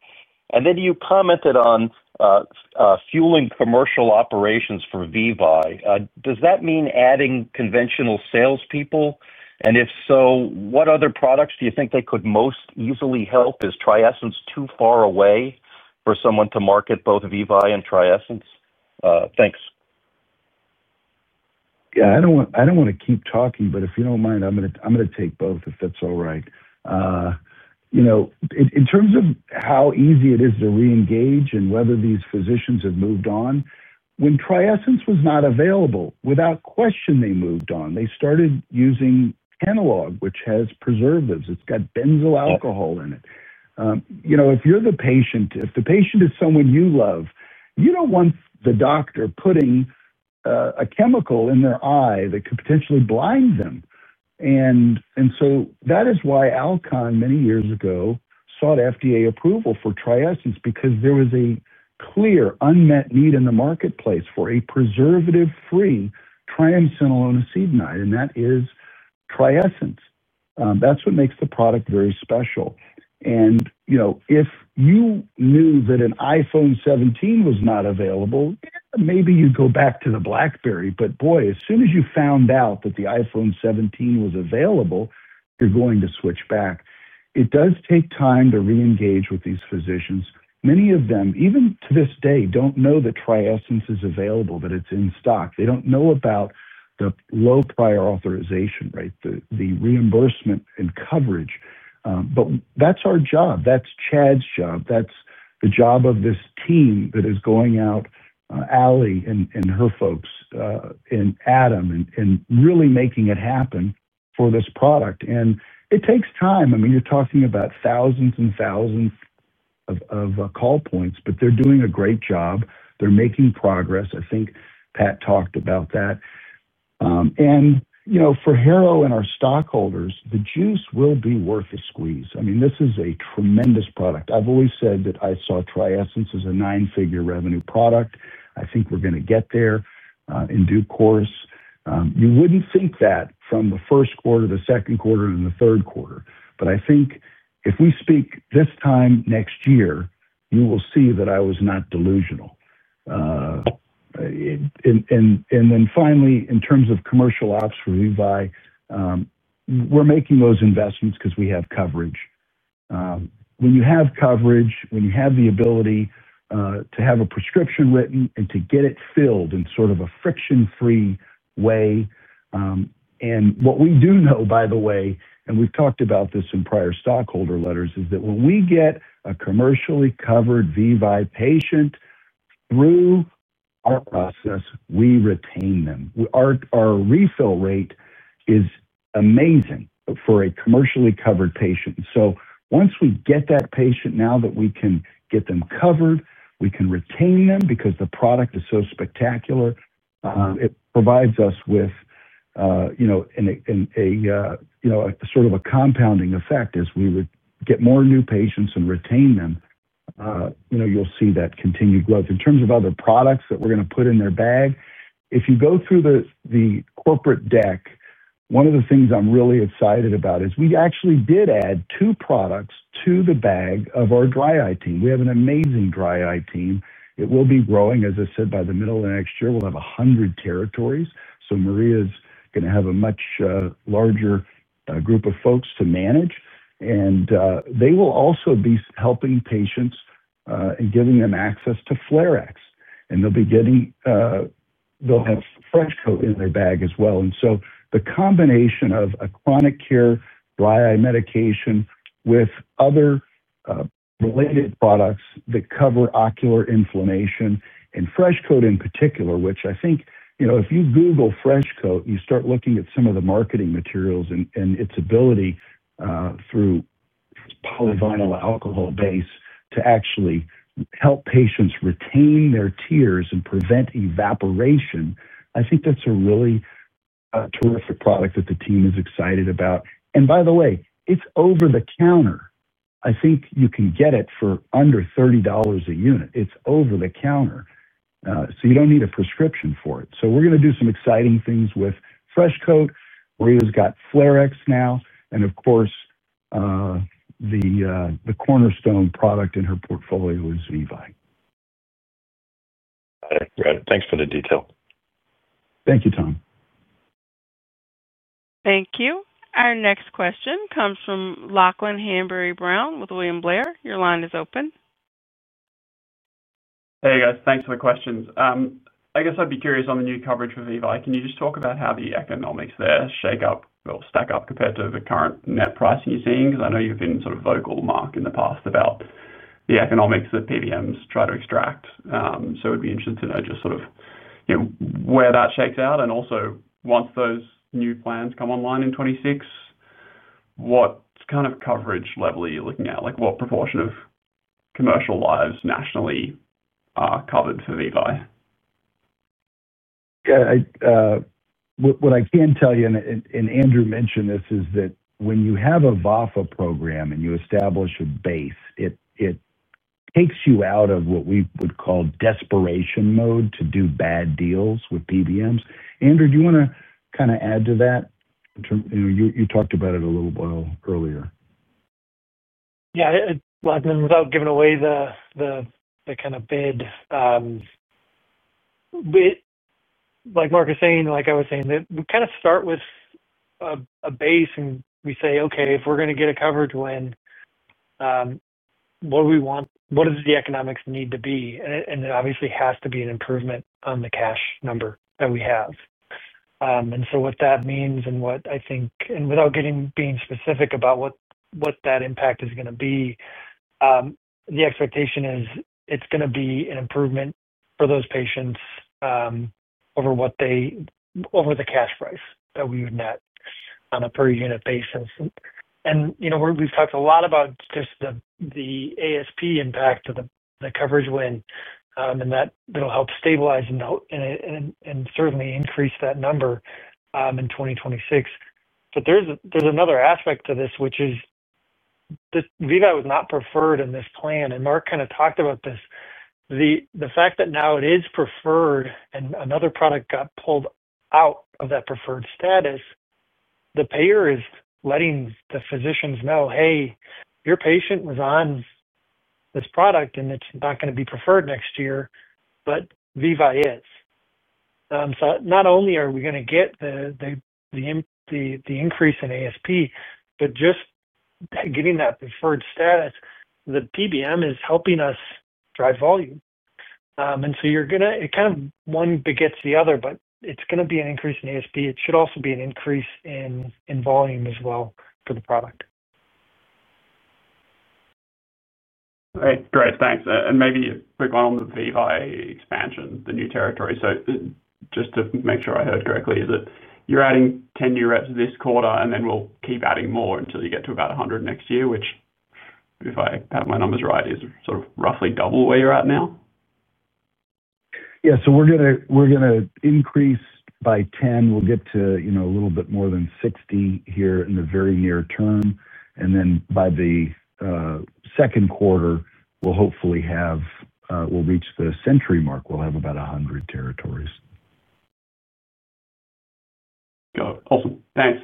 You commented on fueling commercial operations for VEVYE. Does that mean adding conventional salespeople? If so, what other products do you think they could most easily help? Is TRIESENCE too far away for someone to market both VEVYE and TRIESENCE? Thanks. I do not want to keep talking, but if you do not mind, I am going to take both if that is all right. In terms of how easy it is to reengage and whether these physicians have moved on, when TRIESENCE was not available, without question, they moved on. They started using Kenalog, which has preservatives. It's got benzyl alcohol in it. If you're the patient, if the patient is someone you love, you don't want the doctor putting a chemical in their eye that could potentially blind them. That is why Alcon many years ago sought FDA approval for TRIESENCE because there was a clear unmet need in the marketplace for a preservative-free triamcinolone acetonide. That is TRIESENCE. That's what makes the product very special. If you knew that an iPhone 17 was not available, maybe you'd go back to the BlackBerry. Boy, as soon as you found out that the iPhone 17 was available, you're going to switch back. It does take time to reengage with these physicians. Many of them, even to this day, don't know that TRIESENCE is available, that it's in stock. They don't know about the low prior authorization rate, the reimbursement and coverage. That is our job. That is Chad's job. That is the job of this team that is going out, Aly and her folks and Adam, and really making it happen for this product. It takes time. I mean, you are talking about thousands and thousands of call points, but they are doing a great job. They are making progress. I think Pat talked about that. For Harrow and our stockholders, the juice will be worth a squeeze. I mean, this is a tremendous product. I have always said that I saw TRIESENCE as a nine-figure revenue product. I think we are going to get there in due course. You would not think that from the first quarter, the second quarter, and the third quarter. I think if we speak this time next year, you will see that I was not delusional. Finally, in terms of commercial ops for VEVYE, we're making those investments because we have coverage. When you have coverage, when you have the ability to have a prescription written and to get it filled in sort of a friction-free way. What we do know, by the way, and we've talked about this in prior stockholder letters, is that when we get a commercially covered VEVYE patient through our process, we retain them. Our refill rate is amazing for a commercially covered patient. Once we get that patient, now that we can get them covered, we can retain them because the product is so spectacular. It provides us with a sort of a compounding effect as we would get more new patients and retain them. You'll see that continued growth. In terms of other products that we're going to put in their bag, if you go through the corporate deck, one of the things I'm really excited about is we actually did add two products to the bag of our dry eye team. We have an amazing dry eye team. It will be growing. As I said, by the middle of next year, we'll have 100 territories. Maria's going to have a much larger group of folks to manage. They will also be helping patients and giving them access to Flarex. They'll have Freshco in their bag as well. The combination of a chronic care dry eye medication with other related products that cover ocular inflammation and Freshco in particular, which I think if you Google Freshco, you start looking at some of the marketing materials and its ability through polyvinyl alcohol base to actually help patients retain their tears and prevent evaporation. I think that's a really terrific product that the team is excited about. By the way, it's over the counter. I think you can get it for under $30 a unit. It's over the counter, so you don't need a prescription for it. We're going to do some exciting things with Freshco. Maria's got Flarex now. Of course, the cornerstone product in her portfolio is VEVYE Got it. Right. Thanks for the detail. Thank you, Tom. Thank you. Our next question comes from Lachlan Hanbury–Brown with William Blair. Your line is open. Hey, guys. Thanks for the questions. I guess I'd be curious on the new coverage for VEVYE. Can you just talk about how the economics there shake up or stack up compared to the current net pricing you're seeing? Because I know you've been sort of vocal, Mark, in the past about the economics that PBMs try to extract. It would be interesting to know just sort of where that shakes out. Also, once those new plans come online in 2026, what kind of coverage level are you looking at? What proportion of commercial lives nationally are covered for VEVYE? What I can tell you, and Andrew mentioned this, is that when you have a VAFA program and you establish a base, it takes you out of what we would call desperation mode to do bad deals with PBMs. Andrew, do you want to kind of add to that? You talked about it a little while earlier. Yeah. Without giving away the kind of bid, like Mark was saying, like I was saying, we kind of start with a base and we say, "Okay, if we're going to get a coverage win, what do we want? What does the economics need to be?" It obviously has to be an improvement on the cash number that we have. What that means and what I think, and without being specific about what that impact is going to be, the expectation is it's going to be an improvement for those patients over the cash price that we would net on a per-unit basis. We've talked a lot about just the ASP impact of the coverage win and that it'll help stabilize and certainly increase that number in 2026. There's another aspect to this, which is VEVYE was not preferred in this plan. Mark kind of talked about this. The fact that now it is preferred and another product got pulled out of that preferred status, the payer is letting the physicians know, "Hey, your patient was on this product and it's not going to be preferred next year, but VEVYE is." Not only are we going to get the increase in ASP, but just getting that preferred status, the PBM is helping us drive volume. You're going to kind of one begets the other, but it's going to be an increase in ASP. It should also be an increase in volume as well for the product. All right. Great. Thanks. Maybe a quick one on the VEVYE expansion, the new territory. Just to make sure I heard correctly, is that you're adding 10 new reps this quarter, and then we'll keep adding more until you get to about 100 next year, which, if I have my numbers right, is sort of roughly double where you're at now? Yeah. We're going to increase by 10. We'll get to a little bit more than 60 here in the very near term. By the second quarter, we'll hopefully have—we'll reach the century mark. We'll have about 100 territories. Awesome. Thanks.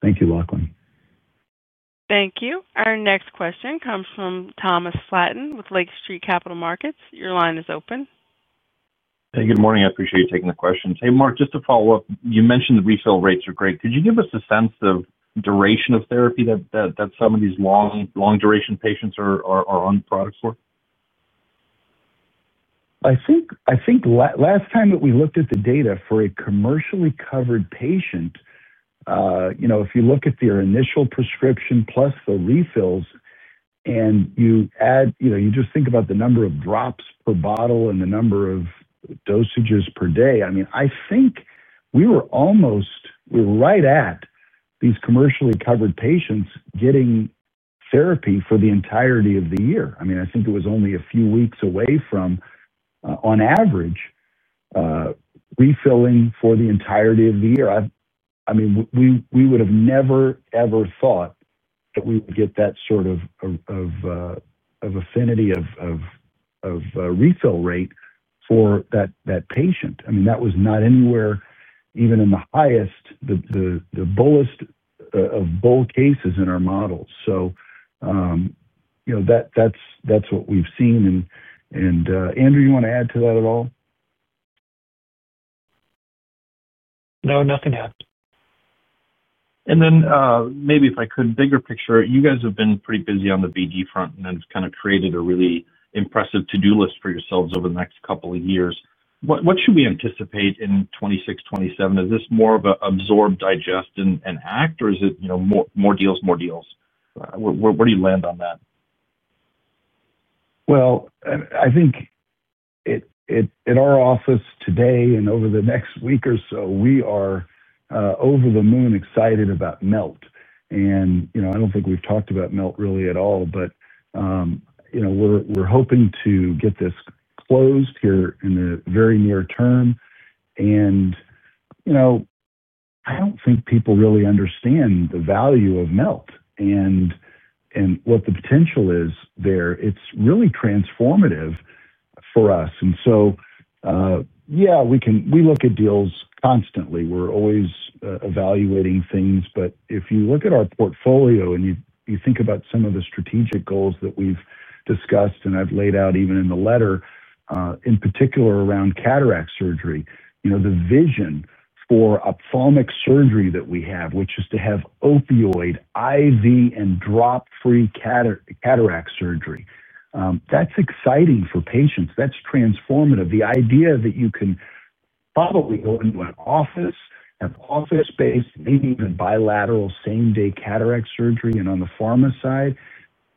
Thank you, Lachlan. Thank you. Our next question comes from Thomas Flaten with Lake Street Capital Markets. Your line is open. Hey, good morning. I appreciate you taking the questions. Hey, Mark, just to follow up, you mentioned the refill rates are great. Could you give us a sense of duration of therapy that some of these long-duration patients are on products for? I think last time that we looked at the data for a commercially covered patient, if you look at their initial prescription plus the refills and you add, you just think about the number of drops per bottle and the number of dosages per day. I mean, I think we were almost, we were right at these commercially covered patients getting therapy for the entirety of the year. I mean, I think it was only a few weeks away from, on average, refilling for the entirety of the year. I mean, we would have never, ever thought that we would get that sort of affinity of refill rate for that patient. I mean, that was not anywhere, even in the highest, the bullest of bull cases in our models. That's what we've seen. Andrew, you want to add to that at all? No, nothing else. Maybe if I could, bigger picture, you guys have been pretty busy on the BD front and have kind of created a really impressive to-do list for yourselves over the next couple of years. What should we anticipate in 2026, 2027? Is this more of an absorb, digest, and act, or is it more deals, more deals? Where do you land on that? I think at our office today and over the next week or so, we are over the moon excited about Melt. I don't think we've talked about Melt really at all, but we're hoping to get this closed here in the very near term. I don't think people really understand the value of Melt and what the potential is there. It's really transformative for us. Yeah, we look at deals constantly. We're always evaluating things. If you look at our portfolio and you think about some of the strategic goals that we've discussed and I've laid out even in the letter, in particular around cataract surgery, the vision for ophthalmic surgery that we have, which is to have opioid, IV, and drop-free cataract surgery, that's exciting for patients. That's transformative. The idea that you can probably go into an office, have office-based, maybe even bilateral same-day cataract surgery, and on the pharma side,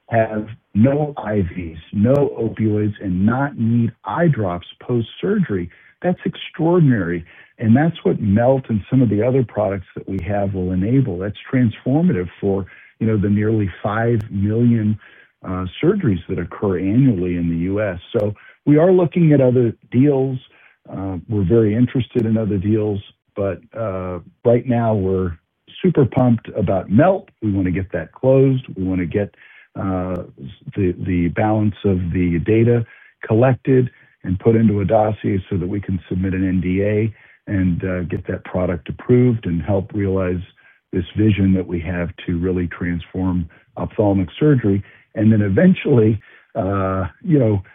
have no IVs, no opioids, and not need eye drops post-surgery, that's extraordinary. That's what Melt and some of the other products that we have will enable. That's transformative for the nearly 5 million surgeries that occur annually in the US. We are looking at other deals. We're very interested in other deals. Right now, we're super pumped about Melt. We want to get that closed. We want to get the balance of the data collected and put into a dossier so that we can submit an NDA and get that product approved and help realize this vision that we have to really transform ophthalmic surgery. Eventually, hopefully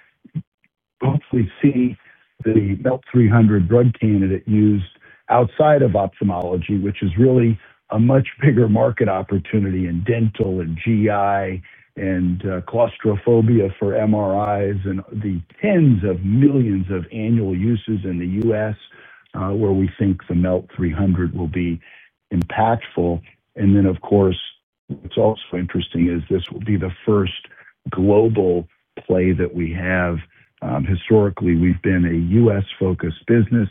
see the Melt 300 drug candidate used outside of ophthalmology, which is really a much bigger market opportunity in dental and GI and claustrophobia for MRIs and the tens of millions of annual uses in the US where we think the Melt 300 will be impactful. Of course, what's also interesting is this will be the first global play that we have. Historically, we've been a US-focused business.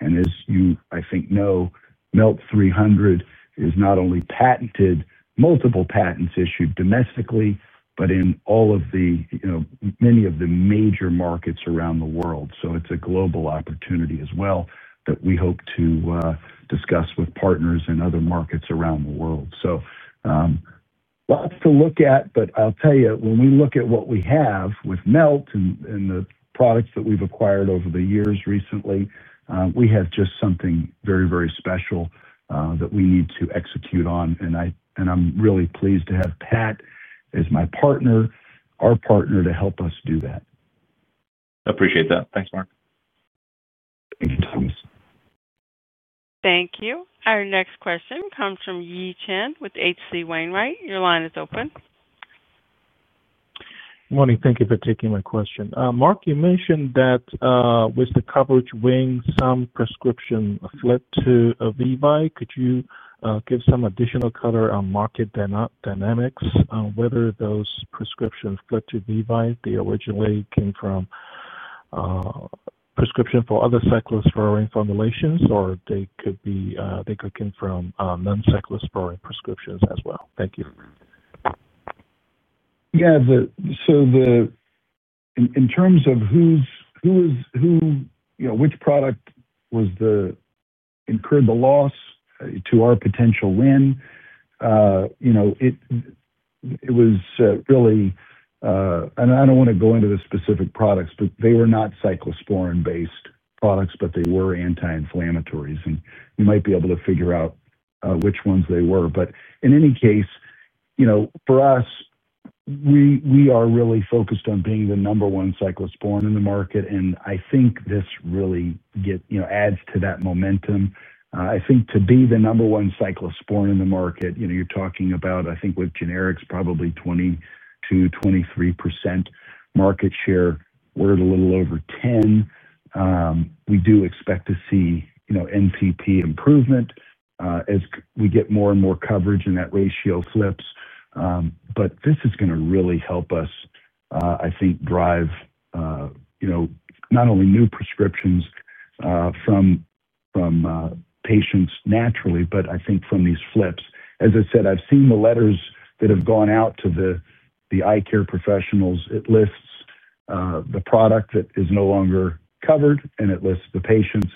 As you, I think, know, Melt 300 is not only patented, multiple patents issued domestically, but in many of the major markets around the world. It is a global opportunity as well that we hope to discuss with partners and other markets around the world. Lots to look at, but I'll tell you, when we look at what we have with Melt and the products that we've acquired over the years recently, we have just something very, very special that we need to execute on. I'm really pleased to have Pat as my partner, our partner to help us do that. I appreciate that. Thanks, Mark. Thank you, Thomas. Thank you. Our next question comes from Yi Chen with HC Wainwright. Your line is open. Good morning. Thank you for taking my question. Mark, you mentioned that with the coverage wing, some prescriptions fled to VEVYE. Could you give some additional color on market dynamics, whether those prescriptions fled to VEVYE? They originally came from prescriptions for other cyclosporine formulations, or they could come from non-cyclosporine prescriptions as well. Thank you. Yeah. In terms of which product incurred the loss to our potential win, it was really, and I do not want to go into the specific products, but they were not cyclosporine-based products, but they were anti-inflammatories. You might be able to figure out which ones they were. In any case, for us, we are really focused on being the number one cyclosporine in the market. I think this really adds to that momentum. I think to be the number one cyclosporine in the market, you are talking about, I think with generics, probably 20-23% market share. We're at a little over 10. We do expect to see NPP improvement as we get more and more coverage and that ratio flips. This is going to really help us, I think, drive not only new prescriptions from patients naturally, but I think from these flips. As I said, I've seen the letters that have gone out to the eye care professionals. It lists the product that is no longer covered, and it lists the patients.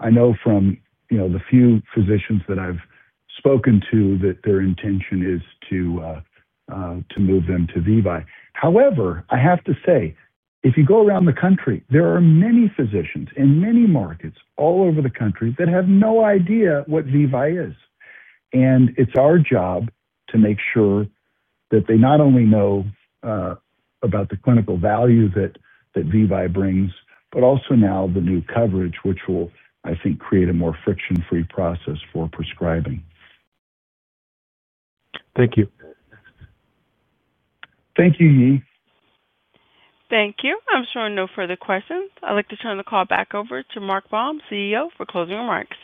I know from the few physicians that I've spoken to that their intention is to move them to VEVYE. However, I have to say, if you go around the country, there are many physicians in many markets all over the country that have no idea what VEVYE is. It is our job to make sure that they not only know about the clinical value that VEVYE brings, but also now the new coverage, which will, I think, create a more friction-free process for prescribing. Thank you. Thank you, Yi. Thank you. I'm sure no further questions. I'd like to turn the call back over to Mark L. Baum, CEO, for closing remarks.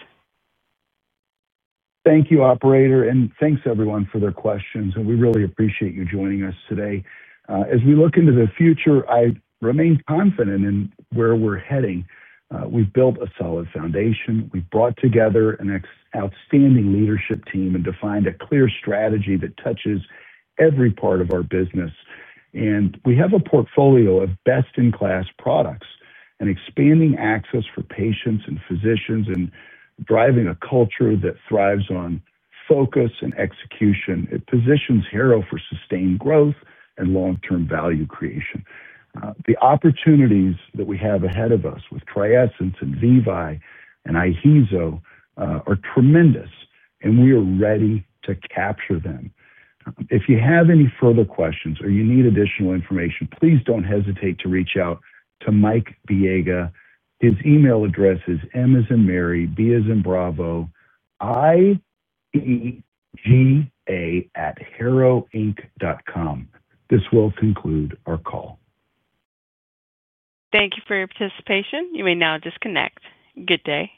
Thank you, operator. Thanks, everyone, for their questions. We really appreciate you joining us today. As we look into the future, I remain confident in where we're heading. We've built a solid foundation. We've brought together an outstanding leadership team and defined a clear strategy that touches every part of our business. We have a portfolio of best-in-class products and expanding access for patients and physicians and driving a culture that thrives on focus and execution. It positions Harrow for sustained growth and long-term value creation. The opportunities that we have ahead of us with TRIESENCE and VEVYE and IHEEZO are tremendous, and we are ready to capture them. If you have any further questions or you need additional information, please do not hesitate to reach out to Mike Biega. His email address is M as in Mary, B as in Bravo, I-E-G-A at harrowinc.com. This will conclude our call. Thank you for your participation. You may now disconnect. Good day.